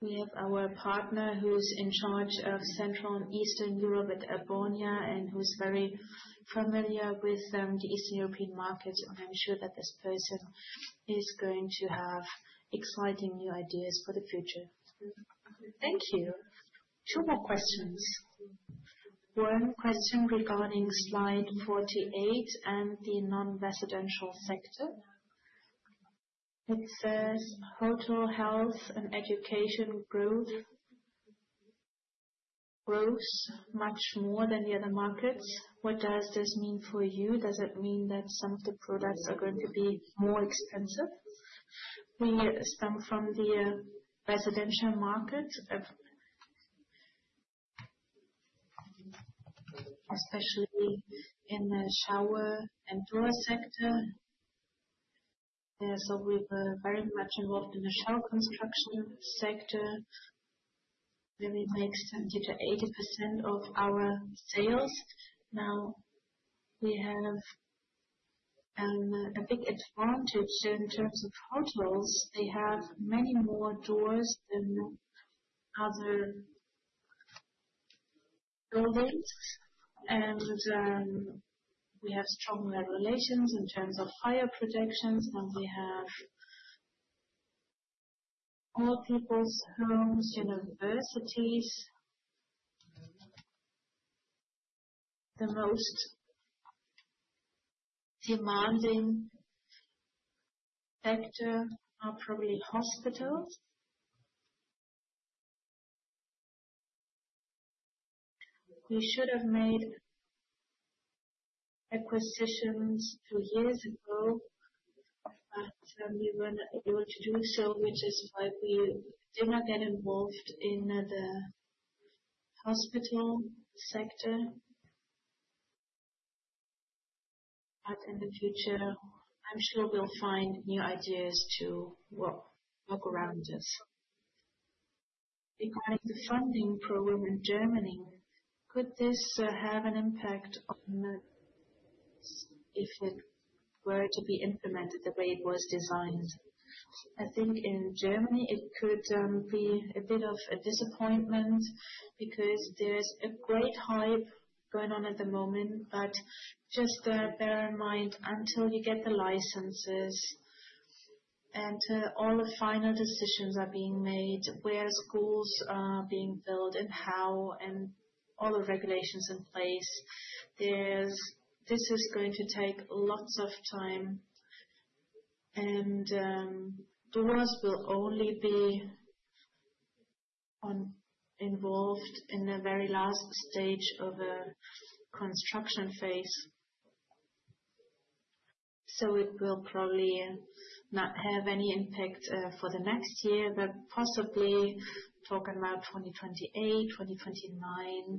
We have our partner who's in charge of Central and Eastern Europe at Arbonia and who's very familiar with the Eastern European markets. I'm sure that this person is going to have exciting new ideas for the future. Thank you. Two more questions. One question regarding slide 48 and the non-residential sector. It says total health and education growth grows much more than the other markets. What does this mean for you? Does it mean that some of the products are going to be more expensive? We stem from the residential market, especially in the shower and door sector. We were very much involved in the shower construction sector. Really makes 70%-80% of our sales. Now, we have a big advantage in terms of hotels. They have many more doors than other buildings. We have stronger relations in terms of fire protections. We have more people's homes, universities. The most demanding sector are probably hospitals. We should have made acquisitions two years ago, but we were not able to do so, which is why we did not get involved in the hospital sector. In the future, I am sure we will find new ideas to work around this. Regarding the funding program in Germany, could this have an impact on if it were to be implemented the way it was designed? I think in Germany, it could be a bit of a disappointment because there is a great hype going on at the moment. Just bear in mind, until you get the licenses and all the final decisions are being made, where schools are being built and how, and all the regulations in place, this is going to take lots of time. Doors will only be involved in the very last stage of a construction phase. It will probably not have any impact for the next year, but possibly talking about 2028, 2029.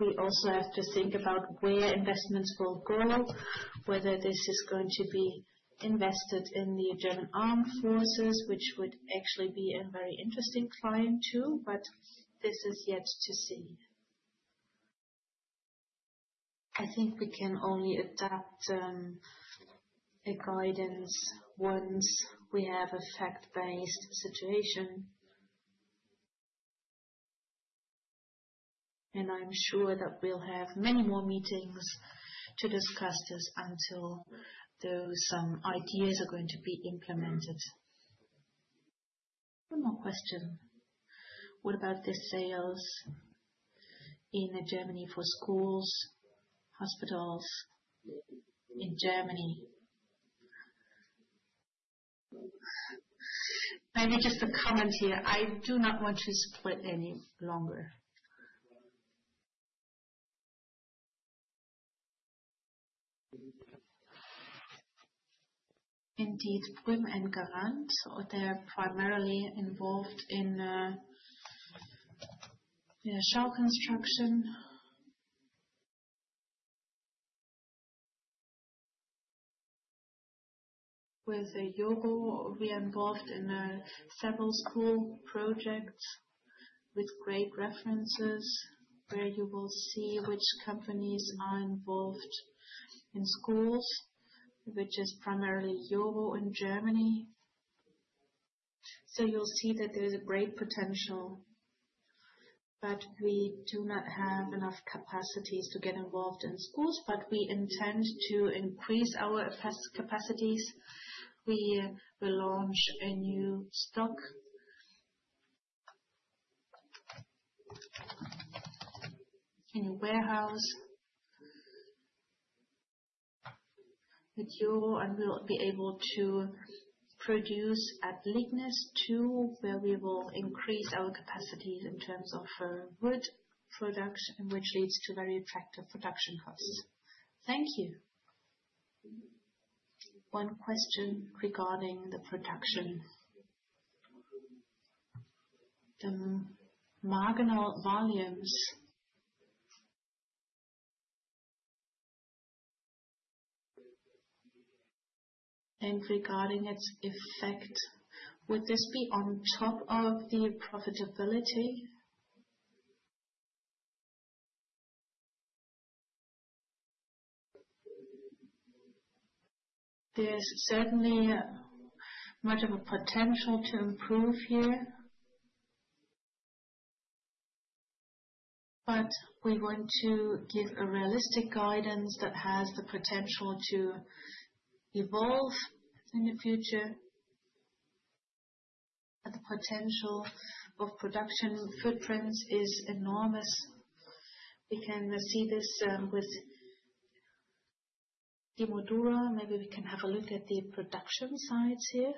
We also have to think about where investments will go, whether this is going to be invested in the German armed forces, which would actually be a very interesting client too, but this is yet to see. I think we can only adopt a guidance once we have a fact-based situation. I'm sure that we'll have many more meetings to discuss this until those ideas are going to be implemented. One more question. What about the sales in Germany for schools, hospitals in Germany? Maybe just a comment here. I do not want to split any longer. Indeed, Prüm and Garant, they're primarily involved in shower construction. With Yogo, we are involved in several school projects with great references where you will see which companies are involved in schools, which is primarily Yogo in Germany. You will see that there's a great potential, but we do not have enough capacities to get involved in schools. We intend to increase our capacities. We will launch a new stock, a new warehouse with Yogo, and we will be able to produce at Lignis too, where we will increase our capacities in terms of wood production, which leads to very attractive production costs. Thank you. One question regarding the production. The marginal volumes. And regarding its effect, would this be on top of the profitability? There's certainly much of a potential to improve here, but we want to give a realistic guidance that has the potential to evolve in the future. The potential of production footprints is enormous. We can see this with Dimoldura. Maybe we can have a look at the production sites here.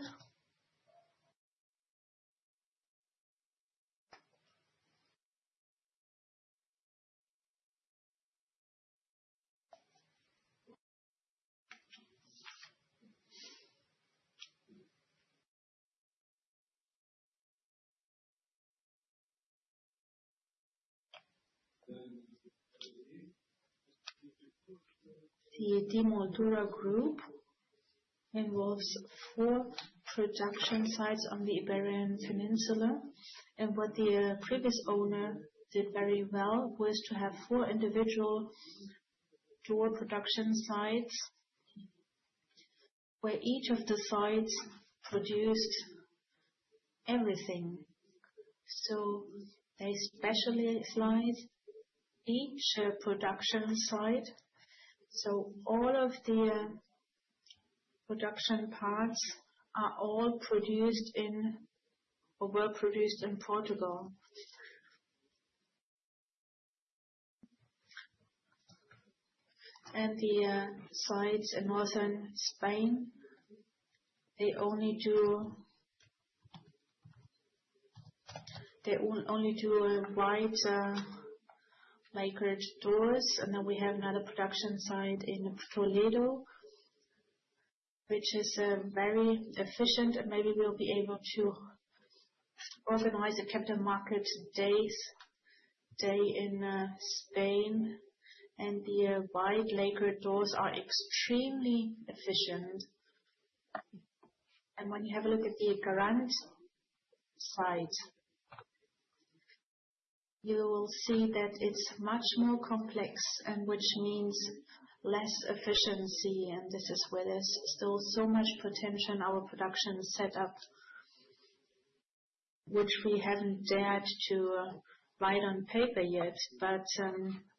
The Dimoldura Group involves four production sites on the Iberian Peninsula. What the previous owner did very well was to have four individual dual production sites where each of the sites produced everything. They specially slice each production site. All of the production parts are all produced in or were produced in Portugal. The sites in northern Spain only do white lacquered doors. We have another production site in Toledo, which is very efficient. Maybe we'll be able to organize a capital market day in Spain. The white lacquered doors are extremely efficient. When you have a look at the Garant site, you will see that it's much more complex, which means less efficiency. There is still so much potential in our production setup, which we have not dared to write on paper yet.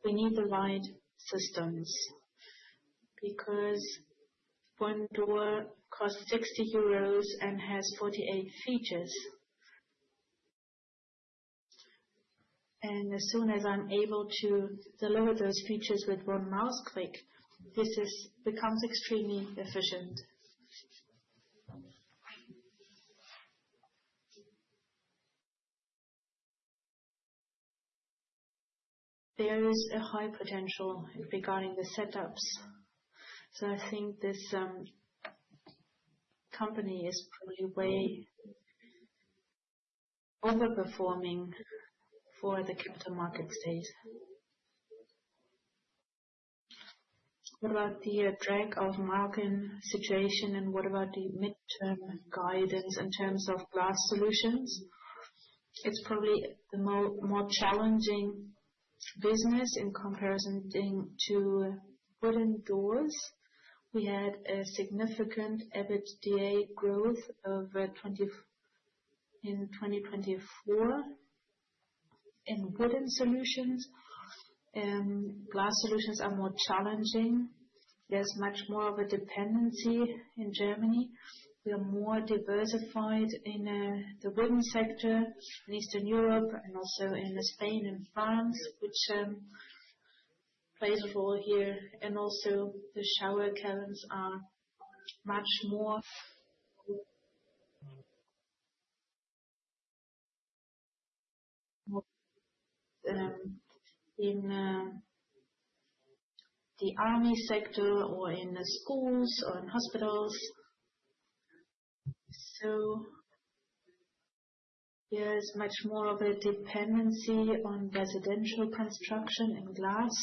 We need the right systems because one door costs 60 euros and has 48 features. As soon as I am able to deliver those features with one mouse click, this becomes extremely efficient. There is a high potential regarding the setups. I think this company is probably way overperforming for the capital market state. What about the drag-of-margin situation? What about the midterm guidance in terms of Glass Solutions? It is probably the more challenging business in comparison to wooden doors. We had significant EBITDA growth in 2024 in wooden Glass Solutions are more challenging. There is much more of a dependency in Germany. We are more diversified in the wooden sector in Eastern Europe and also in Spain and France, which plays a role here. Also, the shower cabins are much more in the army sector or in the schools or in hospitals. There is much more of a dependency on residential construction in glass.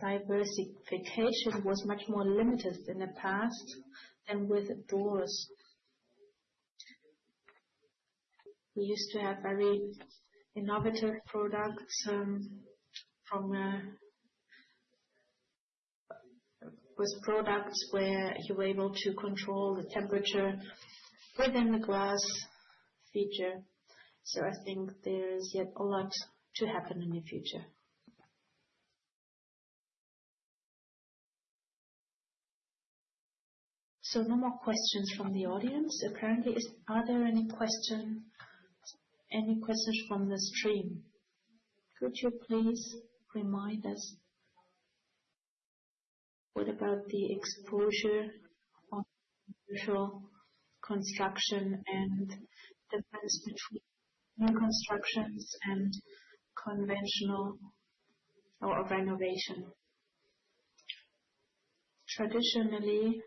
Diversification was much more limited in the past than with doors. We used to have very innovative products from products where you were able to control the temperature within the glass feature. I think there is yet a lot to happen in the future. No more questions from the audience. Apparently, are there any questions from the stream? Could you please remind us? What about the exposure on usual construction and difference between new constructions and conventional or renovation? Traditionally,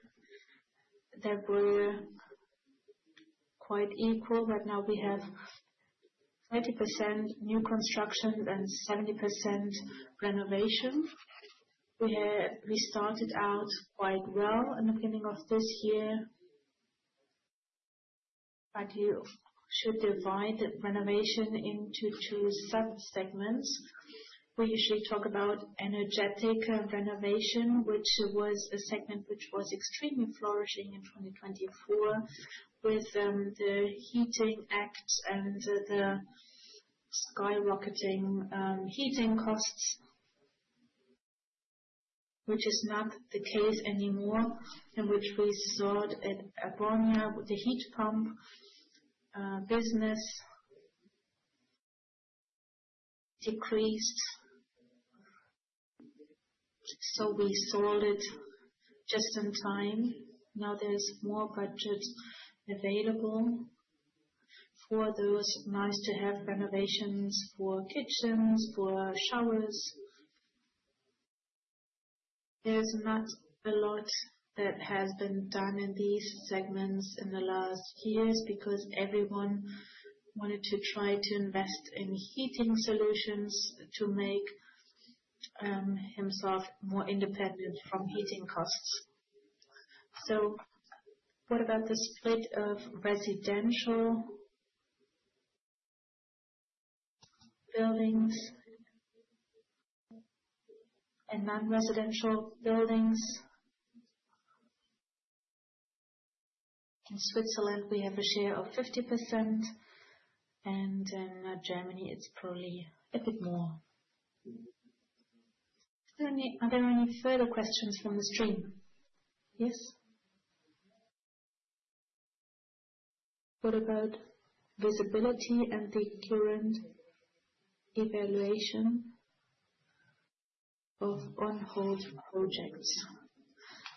they were quite equal, but now we have 30% new construction and 70% renovation. We started out quite well in the beginning of this year. You should divide renovation into two sub-segments. We usually talk about energetic renovation, which was a segment which was extremely flourishing in 2024 with the Heating Act and the skyrocketing heating costs, which is not the case anymore, in which we saw at Arbonia with the heat pump business decreased. We sold it just in time. Now there's more budget available for those nice-to-have renovations for kitchens, for showers. There's not a lot that has been done in these segments in the last years because everyone wanted to try to invest in heating solutions to make himself more independent from heating costs. What about the split of residential buildings and non-residential buildings? In Switzerland, we have a share of 50%. In Germany, it's probably a bit more. Are there any further questions from the stream? Yes? What about visibility and the current evaluation of on-hold projects?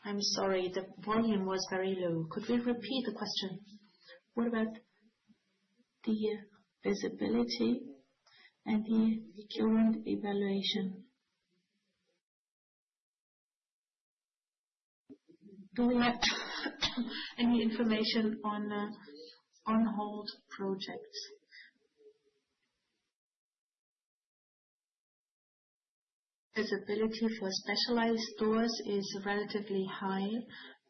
I'm sorry, the volume was very low. Could we repeat the question? What about the visibility and the current evaluation? Do we have any information on on-hold projects? Visibility for specialized doors is relatively high,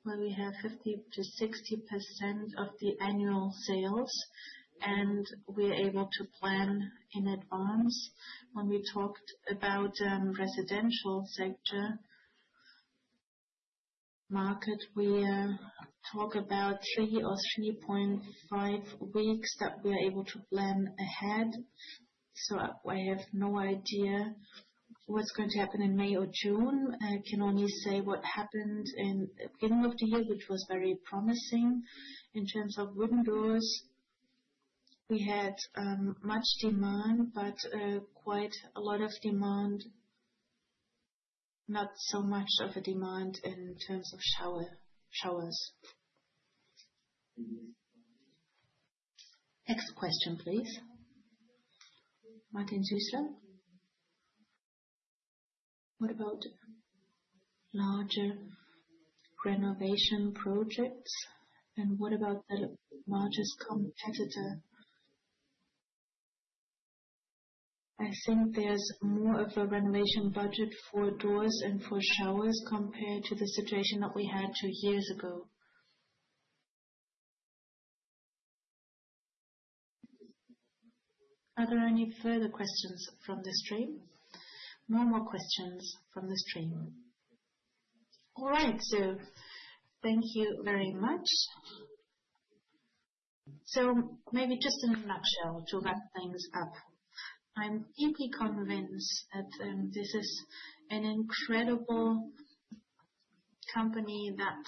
where we have 50-60% of the annual sales. We are able to plan in advance. When we talked about the residential sector market, we talk about three or 3.5 weeks that we are able to plan ahead. I have no idea what's going to happen in May or June. I can only say what happened in the beginning of the year, which was very promising in terms of wooden doors. We had much demand, but quite a lot of demand, not so much of a demand in terms of showers. Next question, please. Martin [Süssler]. What about larger renovation projects? What about the largest competitor? I think there's more of a renovation budget for doors and for showers compared to the situation that we had two years ago. Are there any further questions from the stream? No more questions from the stream. All right. Thank you very much. Maybe just in a nutshell to wrap things up, I'm deeply convinced that this is an incredible company that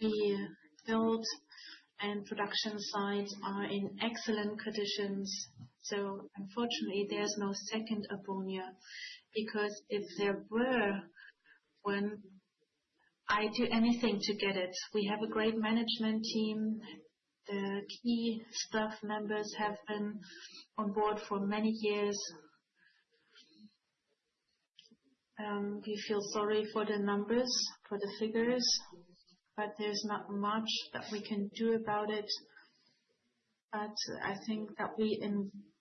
we build, and production sites are in excellent conditions. Unfortunately, there's no second Arbonia because if there were, I'd do anything to get it. We have a great management team. The key staff members have been on board for many years. We feel sorry for the numbers, for the figures, but there's not much that we can do about it. I think that we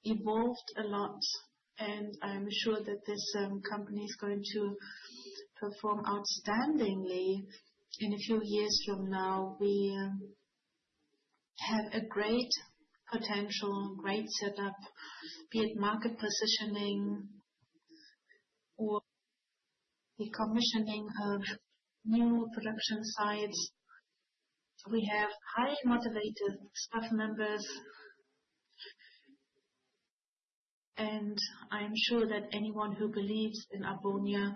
evolved a lot, and I'm sure that this company is going to perform outstandingly in a few years from now. We have a great potential, great setup, be it market positioning or the commissioning of new production sites. We have highly motivated staff members, and I'm sure that anyone who believes in Arbonia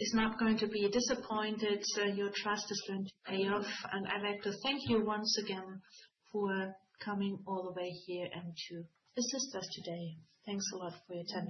is not going to be disappointed. Your trust is going to pay off. I'd like to thank you once again for coming all the way here and to assist us today. Thanks a lot for your time.